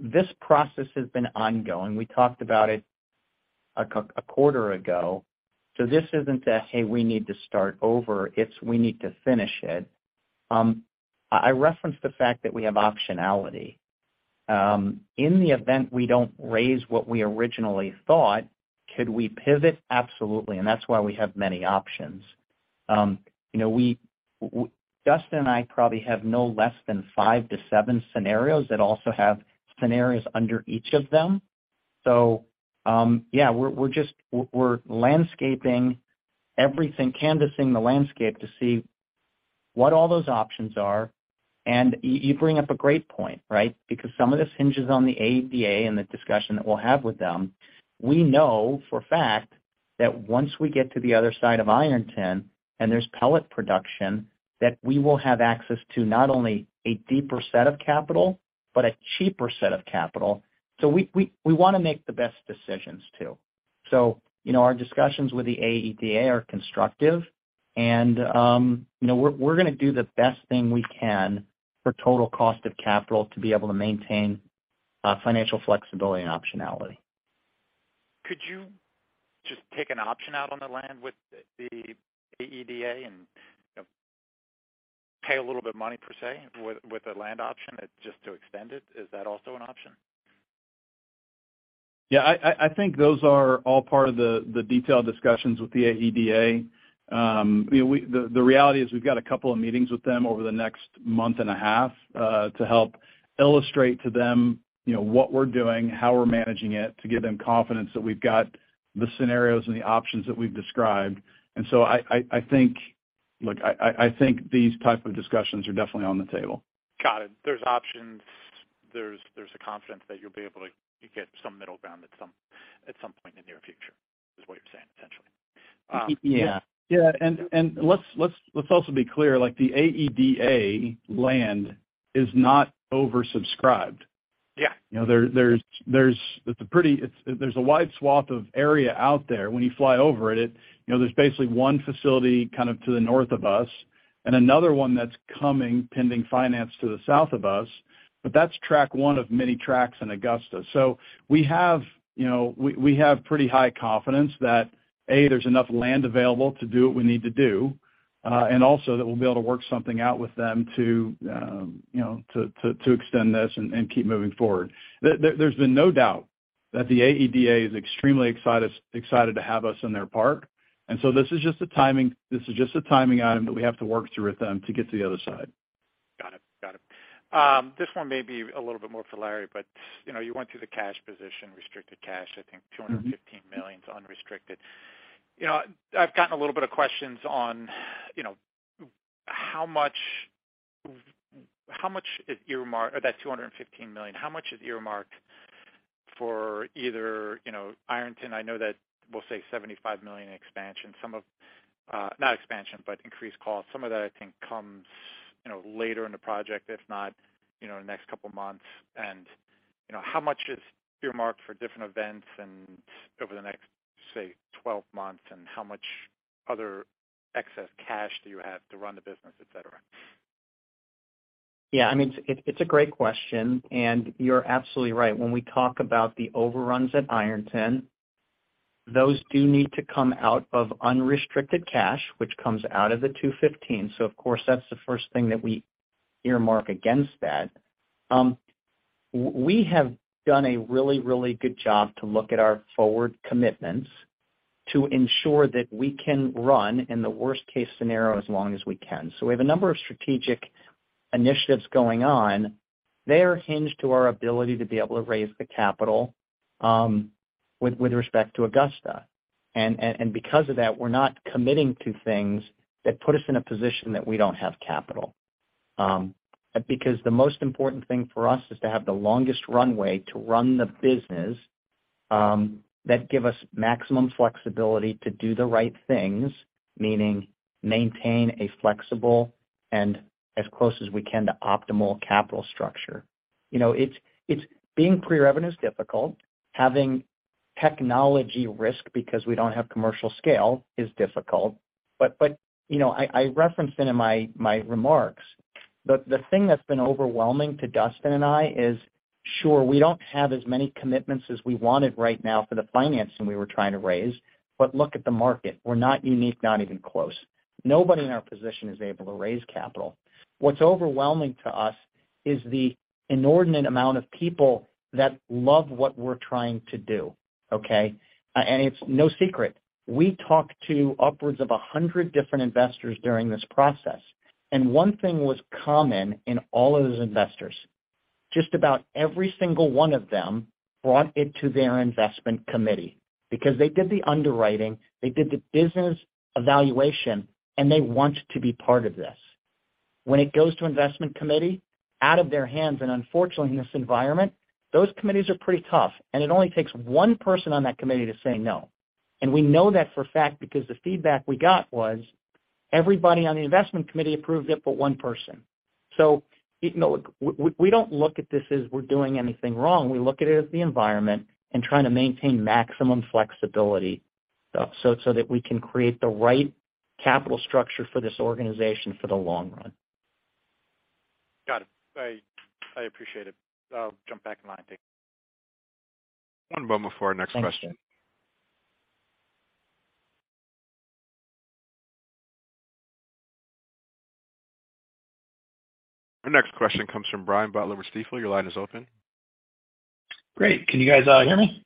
this process has been ongoing. We talked about it a quarter ago. This isn't a, hey, we need to start over. It's we need to finish it. I referenced the fact that we have optionality. In the event we don't raise what we originally thought, could we pivot? Absolutely, and that's why we have many options. You know, Dustin and I probably have no less than five-seven scenarios that also have scenarios under each of them. Yeah, we're just landscaping everything, canvassing the landscape to see what all those options are. You bring up a great point, right? Because some of this hinges on the AEDA and the discussion that we'll have with them. We know for a fact that once we get to the other side of Ironton and there's pellet production, that we will have access to not only a deeper set of capital, but a cheaper set of capital. We wanna make the best decisions too. You know, our discussions with the AEDA are constructive and, you know, we're gonna do the best thing we can for total cost of capital to be able to maintain financial flexibility and optionality. Could you just take an option out on the land with the AEDA and, you know, pay a little bit of money per se with the land option just to extend it? Is that also an option? Yeah. I think those are all part of the detailed discussions with the AEDA. You know, the reality is we've got a couple of meetings with them over the next month and a half to help illustrate to them, you know, what we're doing, how we're managing it, to give them confidence that we've got the scenarios and the options that we've described. I think. Look, I think these type of discussions are definitely on the table. Got it. There's options. There's a confidence that you'll be able to get some middle ground at some point in the near future, is what you're saying, essentially. Y-yeah. Yeah. Let's also be clear, like the AEDA land is not oversubscribed. Yeah. You know, there's a wide swath of area out there when you fly over it. You know, there's basically one facility kind of to the north of us and another one that's coming pending financing to the south of us, but that's tract one of many tracts in Augusta. We have, you know, pretty high confidence that A, there's enough land available to do what we need to do, and also that we'll be able to work something out with them to, you know, to extend this and keep moving forward. There's been no doubt that the AEDA is extremely excited to have us in their park. This is just a timing item that we have to work through with them to get to the other side. Got it. This one may be a little bit more for Larry, but you know, you went through the cash position, restricted cash, I think $215 million is unrestricted. You know, I've gotten a little bit of questions on, you know, how much, how much is earmarked of that $215 million, how much is earmarked for either, you know, Ironton, I know that we'll say $75 million expansion. Some of, not expansion, but increased cost. Some of that I think comes, you know, later in the project, if not, you know, in the next couple of months. You know, how much is earmarked for different events and over the next, say, 12 months, and how much other excess cash do you have to run the business, et cetera? Yeah, I mean, it's a great question, and you're absolutely right. When we talk about the overruns at Ironton, those do need to come out of unrestricted cash, which comes out of the $215. Of course, that's the first thing that we earmark against that. We have done a really good job to look at our forward commitments to ensure that we can run in the worst case scenario as long as we can. We have a number of strategic initiatives going on. They are hinged to our ability to be able to raise the capital with respect to Augusta. Because of that, we're not committing to things that put us in a position that we don't have capital. Because the most important thing for us is to have the longest runway to run the business. That give us maximum flexibility to do the right things, meaning maintain a flexible and as close as we can to optimal capital structure. You know, it's being pre-revenue is difficult. Having technology risk because we don't have commercial scale is difficult. But you know, I referenced it in my remarks. The thing that's been overwhelming to Dustin and I is, sure, we don't have as many commitments as we wanted right now for the financing we were trying to raise. But look at the market. We're not unique, not even close. Nobody in our position is able to raise capital. What's overwhelming to us is the inordinate amount of people that love what we're trying to do, okay? It's no secret. We talked to upwards of 100 different investors during this process, and one thing was common in all of those investors. Just about every single one of them brought it to their investment committee because they did the underwriting, they did the business evaluation, and they want to be part of this. When it goes to investment committee, out of their hands, and unfortunately, in this environment, those committees are pretty tough, and it only takes one person on that committee to say no. We know that for a fact because the feedback we got was everybody on the investment committee approved it, but one person. We don't look at this as we're doing anything wrong. We look at it as the environment and trying to maintain maximum flexibility so that we can create the right capital structure for this organization for the long run. Got it. I appreciate it. I'll jump back in line, thanks. One moment before our next question. Thank you. Our next question comes from Brian Butler with Stifel. Your line is open. Great. Can you guys hear me?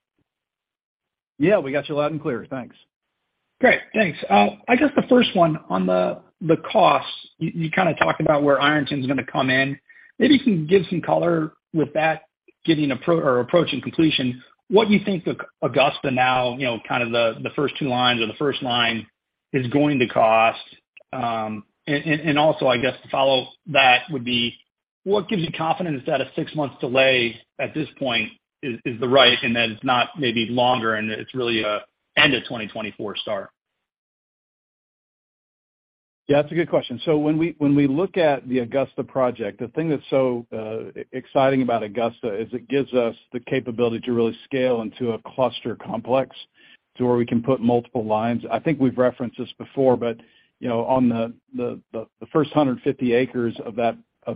Yeah, we got you loud and clear. Thanks. Great. Thanks. I guess the first one on the cost, you kind of talked about where Ironton is gonna come in. Maybe you can give some color with that approach and completion, what you think of Augusta now, you know, kind of the first two lines or the first line is going to cost. Also, I guess to follow that would be what gives you confidence that a six months delay at this point is the right and that it's not maybe longer, and it's really an end of 2024 start? Yeah, that's a good question. When we look at the Augusta project, the thing that's so exciting about Augusta is it gives us the capability to really scale into a cluster complex to where we can put multiple lines. I think we've referenced this before, but you know, on the first 150 acres of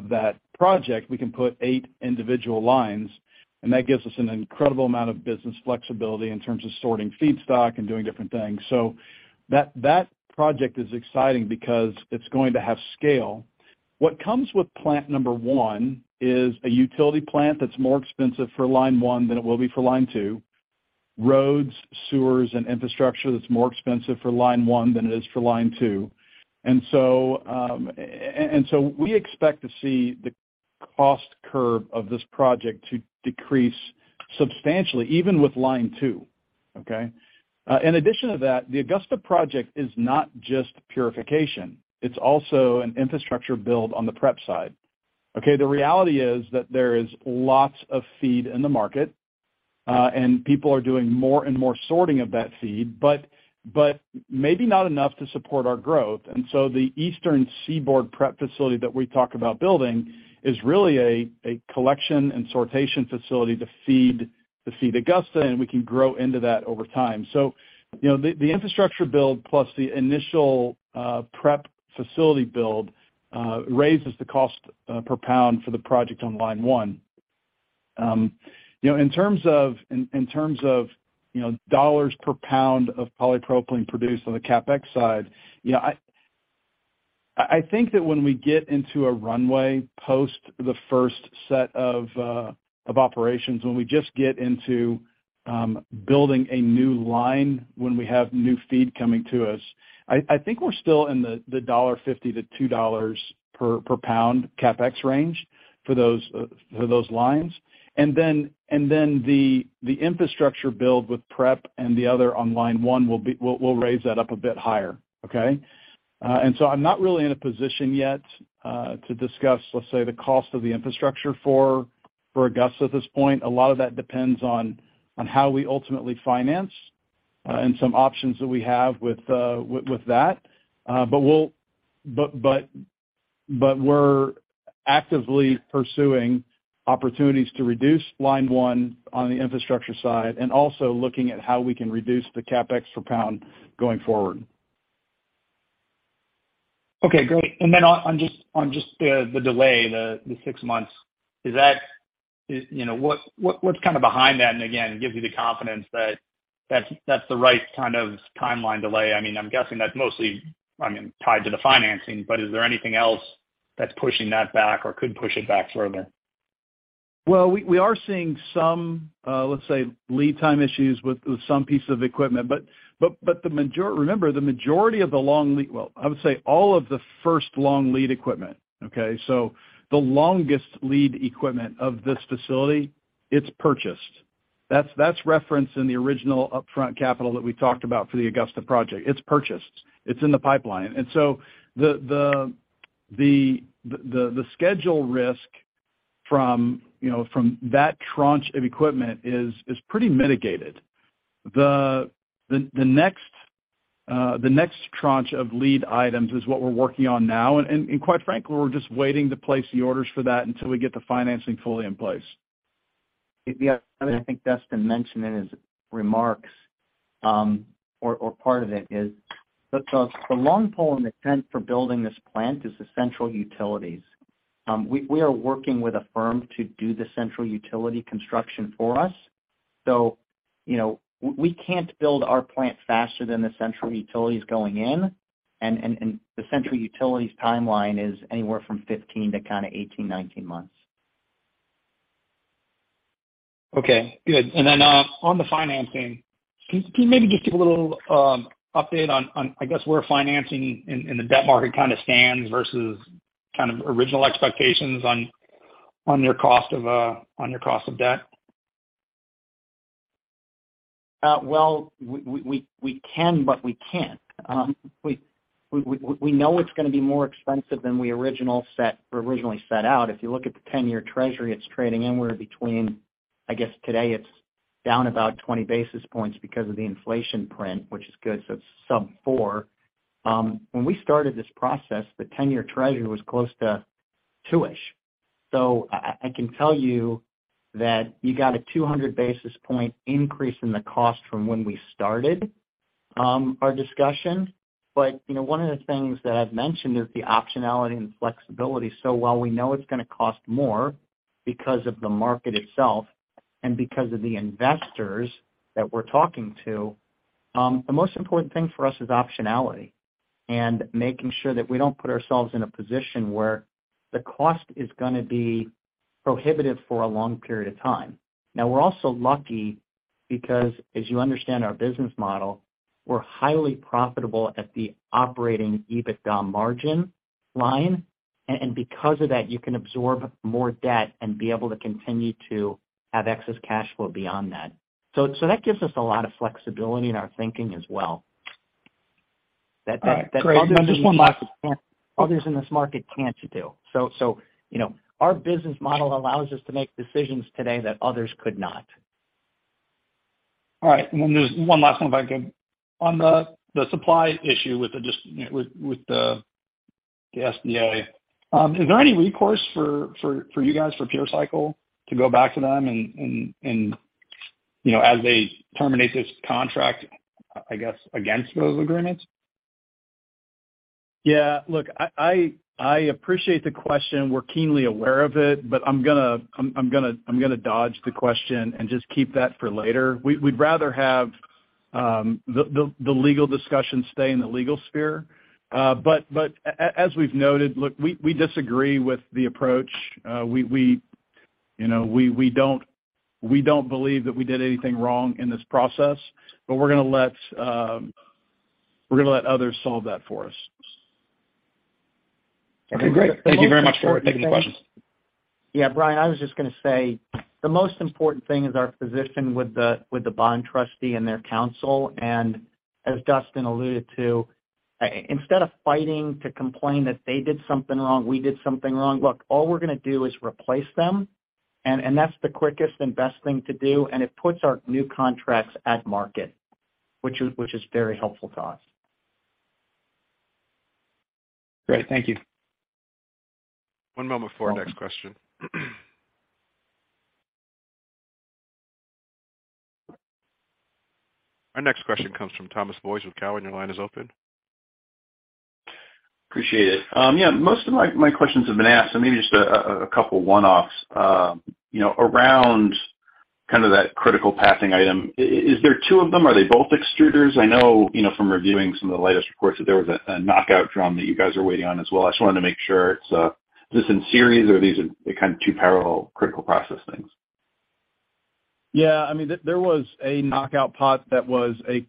that project, we can put eight individual lines, and that gives us an incredible amount of business flexibility in terms of sorting feedstock and doing different things. That project is exciting because it's going to have scale. What comes with plant number 1 is a utility plant that's more expensive for line 1 than it will be for line 2. Roads, sewers, and infrastructure that's more expensive for line 1 than it is for line 2. We expect to see the cost curve of this project to decrease substantially, even with line two. Okay? In addition to that, the Augusta project is not just purification. It's also an infrastructure build on the prep side. Okay? The reality is that there is lots of feed in the market, and people are doing more and more sorting of that feed, but maybe not enough to support our growth. The Eastern Seaboard prep facility that we talk about building is really a collection and sortation facility to feed Augusta, and we can grow into that over time. You know, the infrastructure build plus the initial prep facility build raises the cost per pound for the project on line one. You know, in terms of dollars per pound of polypropylene produced on the CapEx side, you know, I think that when we get into a runway post the first set of operations, when we just get into building a new line, when we have new feed coming to us, I think we're still in the $1.50-$2 per pound CapEx range for those lines. Then the infrastructure build with prep and the other on line one will raise that up a bit higher. Okay. I'm not really in a position yet to discuss, let's say, the cost of the infrastructure for Augusta at this point. A lot of that depends on how we ultimately finance and some options that we have with that. We're actively pursuing opportunities to reduce line one on the infrastructure side and also looking at how we can reduce the CapEx per pound going forward. Okay, great. On just the delay, the six months, you know, what's kind of behind that? Again, it gives you the confidence that that's the right kind of timeline delay. I mean, I'm guessing that's mostly, I mean, tied to the financing, but is there anything else that's pushing that back or could push it back further? Well, we are seeing some, let's say, lead time issues with some pieces of equipment. Remember, the majority of the long lead equipment. Well, I would say all of the first long lead equipment, okay? The longest lead equipment of this facility, it's purchased. That's referenced in the original upfront capital that we talked about for the Augusta project. It's purchased. It's in the pipeline. The schedule risk from, you know, from that tranche of equipment is pretty mitigated. The next tranche of lead items is what we're working on now, and quite frankly, we're just waiting to place the orders for that until we get the financing fully in place. Something I think Dustin mentioned in his remarks, or part of it is, the long pole in the tent for building this plant is the central utilities. We are working with a firm to do the central utility construction for us. You know, we can't build our plant faster than the central utilities going in, and the central utilities timeline is anywhere from 15 to kind of 18, 19 months. Okay, good. On the financing, can you maybe just give a little update on, I guess, where financing in the debt market kind of stands versus kind of original expectations on your cost of debt? Well, we can, but we can't. We know it's gonna be more expensive than we originally set out. If you look at the 10-year treasury, it's trading anywhere between, I guess, today it's down about 20 basis points because of the inflation print, which is good, so it's sub-4%. When we started this process, the 10-year treasury was close to 2%-ish. I can tell you that you got a 200 basis point increase in the cost from when we started our discussion. You know, one of the things that I've mentioned is the optionality and flexibility. While we know it's gonna cost more because of the market itself and because of the investors that we're talking to, the most important thing for us is optionality and making sure that we don't put ourselves in a position where the cost is gonna be prohibitive for a long period of time. Now, we're also lucky because as you understand our business model, we're highly profitable at the operating EBITDA margin line. Because of that, you can absorb more debt and be able to continue to have excess cash flow beyond that. That gives us a lot of flexibility in our thinking as well. All right. Great. Just one last. Others in this market can't do. You know, our business model allows us to make decisions today that others could not. All right. There's one last one if I could. On the supply issue with the SBA, is there any recourse for you guys for PureCycle to go back to them and, you know, as they terminate this contract, I guess, against those agreements? Yeah. Look, I appreciate the question. We're keenly aware of it. I'm gonna dodge the question and just keep that for later. We'd rather have the legal discussion stay in the legal sphere. As we've noted, look, we disagree with the approach. We, you know, don't believe that we did anything wrong in this process, but we're gonna let others solve that for us. Okay, great. Thank you very much for taking the questions. Yeah. Brian, I was just gonna say, the most important thing is our position with the bond trustee and their counsel. As Dustin alluded to, instead of fighting to complain that they did something wrong, we did something wrong, look, all we're gonna do is replace them, and that's the quickest and best thing to do, and it puts our new contracts at market, which is very helpful to us. Great. Thank you. One moment before our next question. Our next question comes from Thomas Boyes with Cowen. Your line is open. Appreciate it. Yeah, most of my questions have been asked, so maybe just a couple one-offs. You know, around kind of that critical pathing item, is there two of them? Are they both extruders? I know, you know, from reviewing some of the latest reports that there was a knockout drum that you guys are waiting on as well. I just wanted to make sure is this in series or are these kind of two parallel critical process things? Yeah. I mean, there was a knockout pot that was a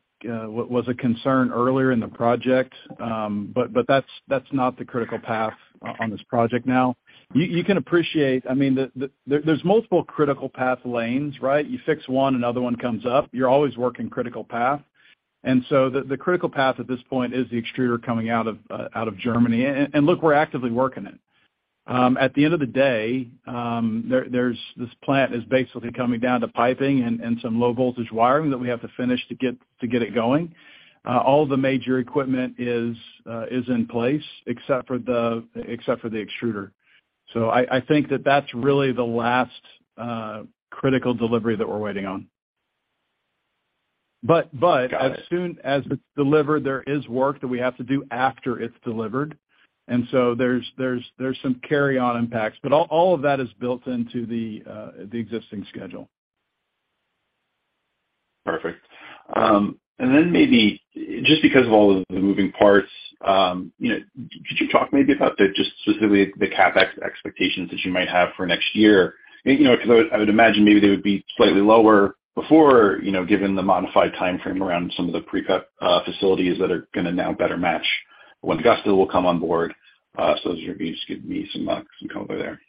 concern earlier in the project, but that's not the critical path on this project now. You can appreciate, I mean, there's multiple critical path lanes, right? You fix one, another one comes up. You're always working critical path. The critical path at this point is the extruder coming out of Germany. Look, we're actively working it. At the end of the day, this plant is basically coming down to piping and some low voltage wiring that we have to finish to get it going. All the major equipment is in place except for the extruder. I think that that's really the last critical delivery that we're waiting on. Got it. As soon as it's delivered, there is work that we have to do after it's delivered. There's some carryover impacts. All of that is built into the existing schedule. Perfect. Maybe just because of all of the moving parts, you know, could you talk maybe about the just specifically the CapEx expectations that you might have for next year? You know, 'cause I would imagine maybe they would be slightly lower before, you know, given the modified timeframe around some of the pre-cut facilities that are gonna now better match when Augusta will come on board. Those are. Just give me some color there.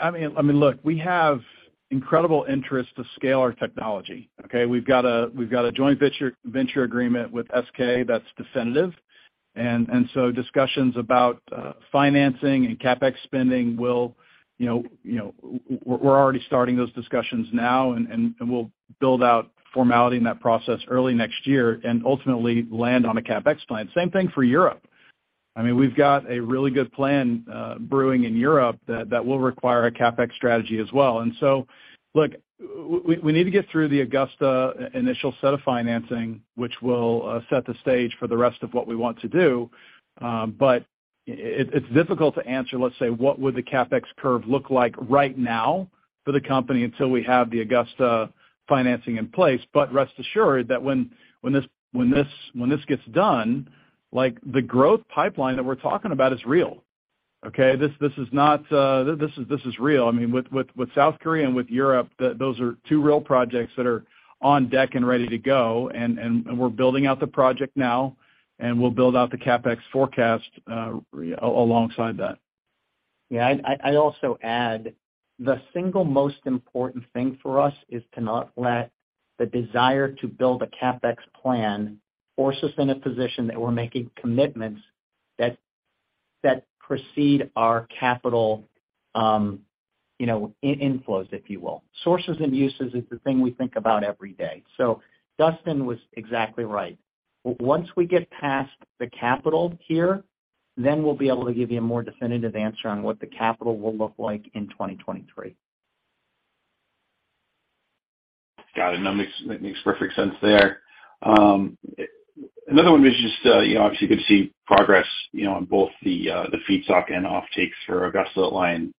I mean, look, we have incredible interest to scale our technology, okay? We've got a joint venture agreement with SK that's definitive. Discussions about financing and CapEx spending, we're already starting those discussions now, and we'll build out formality in that process early next year and ultimately land on a CapEx plan. Same thing for Europe. I mean, we've got a really good plan brewing in Europe that will require a CapEx strategy as well. Look, we need to get through the Augusta initial set of financing, which will set the stage for the rest of what we want to do. It's difficult to answer, let's say, what would the CapEx curve look like right now for the company until we have the Augusta financing in place. Rest assured that when this gets done, like, the growth pipeline that we're talking about is real, okay? This is real. I mean, with South Korea and with Europe, those are two real projects that are on deck and ready to go, and we're building out the project now, and we'll build out the CapEx forecast alongside that. Yeah, I'd also add the single most important thing for us is to not let the desire to build a CapEx plan force us in a position that we're making commitments that precede our capital, you know, inflows, if you will. Sources and uses is the thing we think about every day. Dustin was exactly right. Once we get past the capital here, then we'll be able to give you a more definitive answer on what the capital will look like in 2023. Got it. No, makes perfect sense there. Another one was just, you know, obviously you can see progress, you know, on both the feedstock and offtakes for Augusta line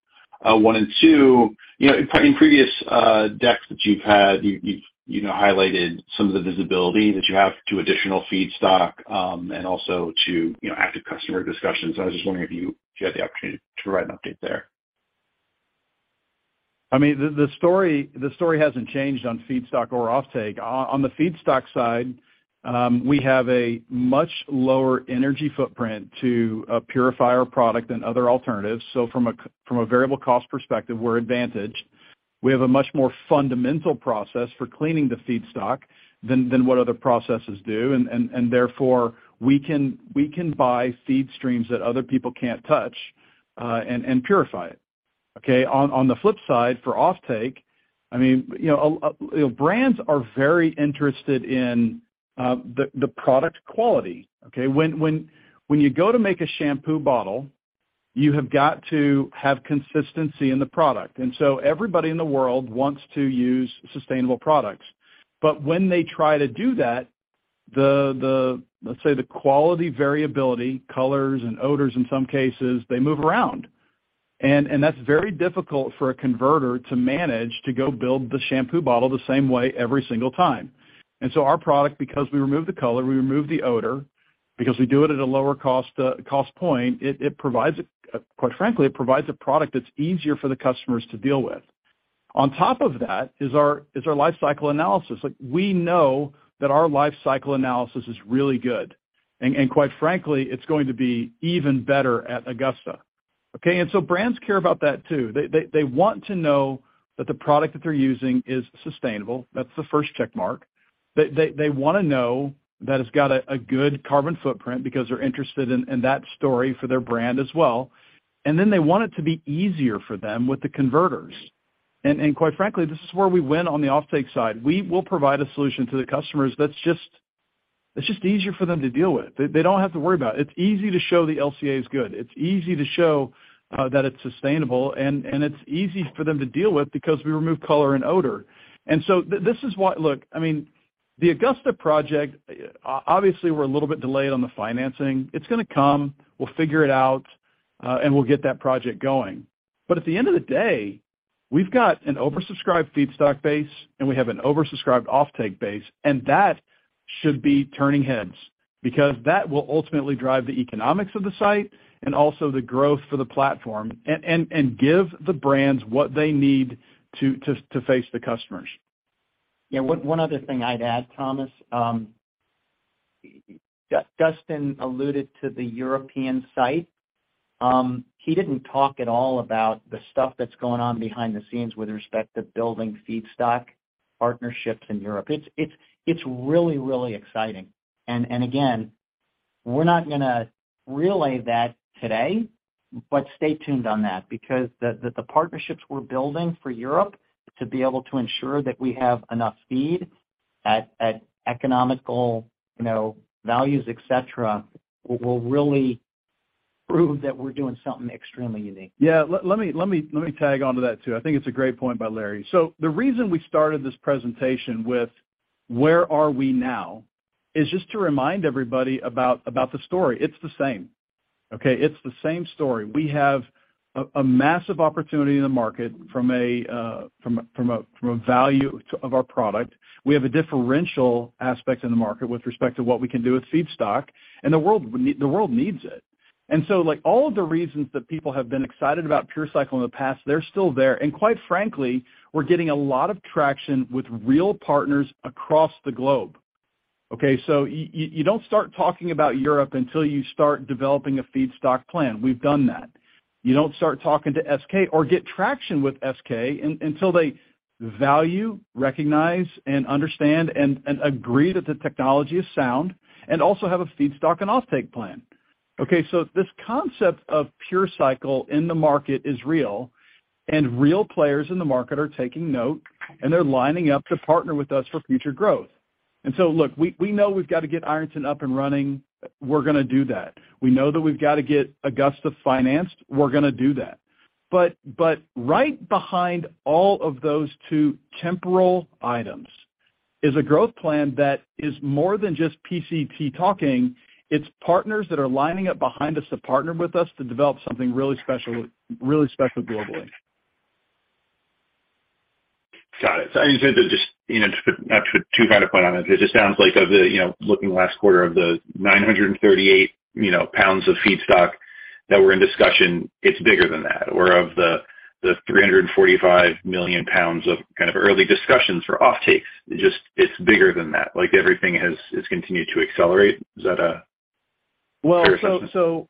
one and two. You know, in previous decks that you've had, you've you know, highlighted some of the visibility that you have to additional feedstock and also to, you know, active customer discussions. I was just wondering if you had the opportunity to provide an update there. I mean, the story hasn't changed on feedstock or offtake. On the feedstock side, we have a much lower energy footprint to purify our product than other alternatives. So from a variable cost perspective, we're advantaged. We have a much more fundamental process for cleaning the feedstock than what other processes do, and therefore we can buy feed streams that other people can't touch and purify it, okay? On the flip side, for offtake, I mean, you know, brands are very interested in the product quality, okay? When you go to make a shampoo bottle, you have got to have consistency in the product. Everybody in the world wants to use sustainable products. When they try to do that, let's say, the quality variability, colors and odors in some cases, they move around. That's very difficult for a converter to manage to go build the shampoo bottle the same way every single time. Our product, because we remove the color, we remove the odor, because we do it at a lower cost point, quite frankly, provides a product that's easier for the customers to deal with. On top of that is our life cycle analysis. Like, we know that our life cycle analysis is really good. Quite frankly, it's going to be even better at Augusta, okay? Brands care about that too. They want to know that the product that they're using is sustainable. That's the first check mark. They wanna know that it's got a good carbon footprint because they're interested in that story for their brand as well. They want it to be easier for them with the converters. Quite frankly, this is where we win on the offtake side. We will provide a solution to the customers that's just easier for them to deal with. They don't have to worry about it. It's easy to show the LCA is good. It's easy to show that it's sustainable and it's easy for them to deal with because we remove color and odor. This is why. Look, I mean, the Augusta project, obviously we're a little bit delayed on the financing. It's gonna come, we'll figure it out, and we'll get that project going. At the end of the day, we've got an oversubscribed feedstock base, and we have an oversubscribed offtake base, and that should be turning heads because that will ultimately drive the economics of the site and also the growth for the platform and give the brands what they need to face the customers. Yeah, one other thing I'd add, Thomas, Dustin alluded to the European site. He didn't talk at all about the stuff that's going on behind the scenes with respect to building feedstock partnerships in Europe. It's really exciting. Again, we're not gonna relay that today, but stay tuned on that because the partnerships we're building for Europe to be able to ensure that we have enough feed at economical, you know, values, et cetera, will really prove that we're doing something extremely unique. Yeah. Let me tag onto that too. I think it's a great point by Larry. The reason we started this presentation with where are we now is just to remind everybody about the story. It's the same, okay? It's the same story. We have a massive opportunity in the market from a value of our product. We have a differential aspect in the market with respect to what we can do with feedstock, and the world needs it. Like, all of the reasons that people have been excited about PureCycle in the past, they're still there. Quite frankly, we're getting a lot of traction with real partners across the globe. Okay, you don't start talking about Europe until you start developing a feedstock plan. We've done that. You don't start talking to SK or get traction with SK until they value, recognize, and understand and agree that the technology is sound and also have a feedstock and offtake plan. Okay, this concept of PureCycle in the market is real, and real players in the market are taking note, and they're lining up to partner with us for future growth. Look, we know we've got to get Ironton up and running. We're gonna do that. We know that we've got to get Augusta financed. We're gonna do that. Right behind all of those two temporal items is a growth plan that is more than just PCT talking. It's partners that are lining up behind us to partner with us to develop something really special, really special globally. Got it. I just need to, you know, just to not put too fine a point on it, but it just sounds like of the, you know, looking last quarter of the 938 million pounds of feedstock that were in discussion, it's bigger than that. Of the 345 million pounds of kind of early discussions for offtakes, it's bigger than that. Like everything has continued to accelerate. Is that a fair assessment?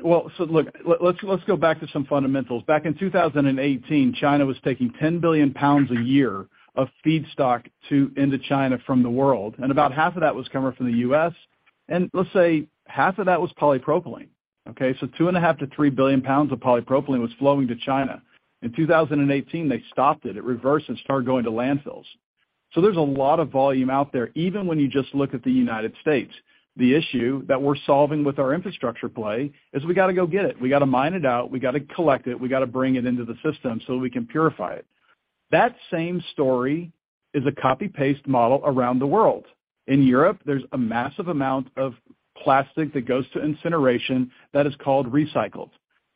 Well, so look, let's go back to some fundamentals. Back in 2018, China was taking 10 billion pounds a year of feedstock into China from the world, and about half of that was coming from the U.S. Let's say half of that was polypropylene, okay? 2.5 billion-3 billion pounds of polypropylene was flowing to China. In 2018, they stopped it. It reversed and started going to landfills. There's a lot of volume out there, even when you just look at the United States. The issue that we're solving with our infrastructure play is we gotta go get it. We gotta mine it out, we gotta collect it, we gotta bring it into the system so we can purify it. That same story is a copy-paste model around the world. In Europe, there's a massive amount of plastic that goes to incineration that is called recycled.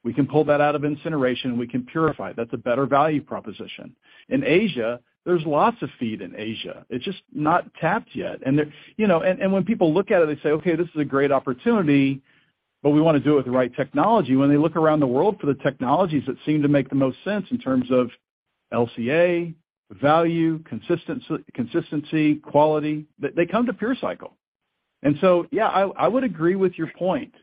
We can pull that out of incineration, and we can purify it. That's a better value proposition. In Asia, there's lots of feed in Asia. It's just not tapped yet. You know, when people look at it, they say, "Okay, this is a great opportunity, but we wanna do it with the right technology." When they look around the world for the technologies that seem to make the most sense in terms of LCA, value, consistency, quality, they come to PureCycle. Yeah, I would agree with your point.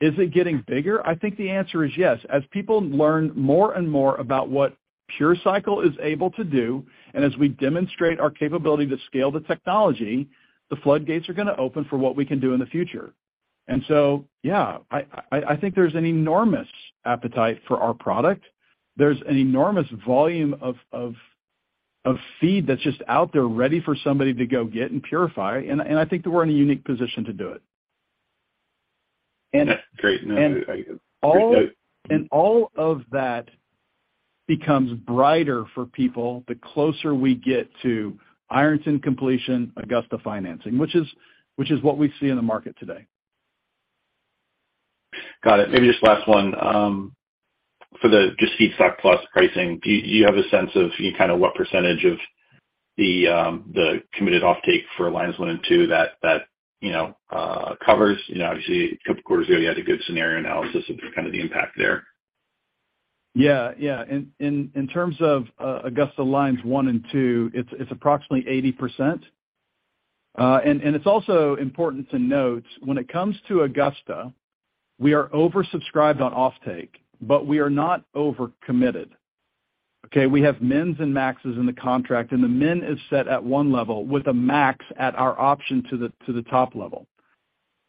Is it getting bigger? I think the answer is yes. As people learn more and more about what PureCycle is able to do and as we demonstrate our capability to scale the technology, the floodgates are gonna open for what we can do in the future. Yeah, I think there's an enormous appetite for our product. There's an enormous volume of feed that's just out there ready for somebody to go get and purify, and I think that we're in a unique position to do it. Great. No, I appreciate it. All of that becomes brighter for people the closer we get to Ironton completion, Augusta financing, which is what we see in the market today. Got it. Maybe just last one, for just the Feedstock+ pricing, do you have a sense of kind of what percentage of the committed offtake for lines 1 and 2 that you know covers? You know, obviously, a couple quarters ago, you had a good scenario analysis of kind of the impact there. Yeah. In terms of Augusta lines 1 and 2, it's approximately 80%. And it's also important to note when it comes to Augusta, we are oversubscribed on offtake, but we are not overcommitted, okay? We have mins and maxes in the contract, and the min is set at one level with a max at our option to the top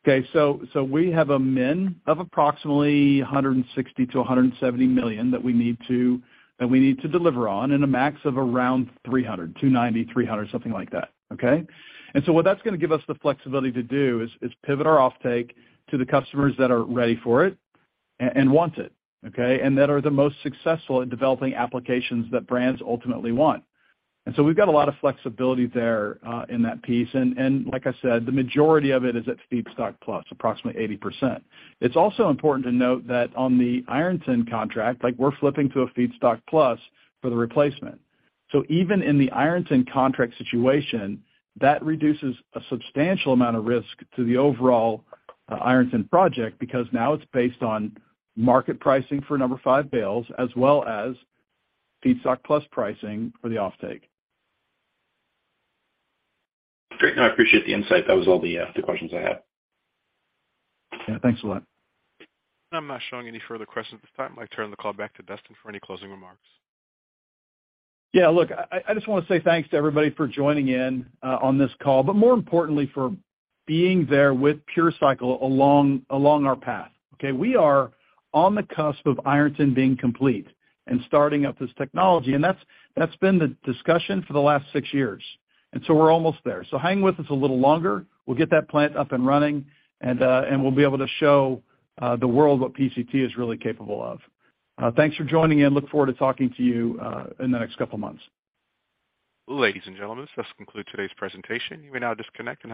level. Okay, so we have a min of approximately $160-$170 million that we need to deliver on and a max of around $290-$300 million, something like that, okay? What that's gonna give us the flexibility to do is pivot our offtake to the customers that are ready for it and want it, okay? That are the most successful at developing applications that brands ultimately want. We've got a lot of flexibility there, in that piece. Like I said, the majority of it is at feedstock plus, approximately 80%. It's also important to note that on the Ironton contract, like we're flipping to a feedstock plus for the replacement. Even in the Ironton contract situation, that reduces a substantial amount of risk to the overall, Ironton project because now it's based on market pricing for number five bales as well as feedstock plus pricing for the offtake. Great. No, I appreciate the insight. That was all the questions I had. Yeah, thanks a lot. I'm not showing any further questions at this time. I turn the call back to Dustin for any closing remarks. Yeah. Look, I just wanna say thanks to everybody for joining in on this call, but more importantly, for being there with PureCycle along our path, okay. We are on the cusp of Ironton being complete and starting up this technology, and that's been the discussion for the last six years. We're almost there. Hang with us a little longer. We'll get that plant up and running, and we'll be able to show the world what PCT is really capable of. Thanks for joining in. Look forward to talking to you in the next couple months. Ladies and gentlemen, this concludes today's presentation. You may now disconnect and have a great day.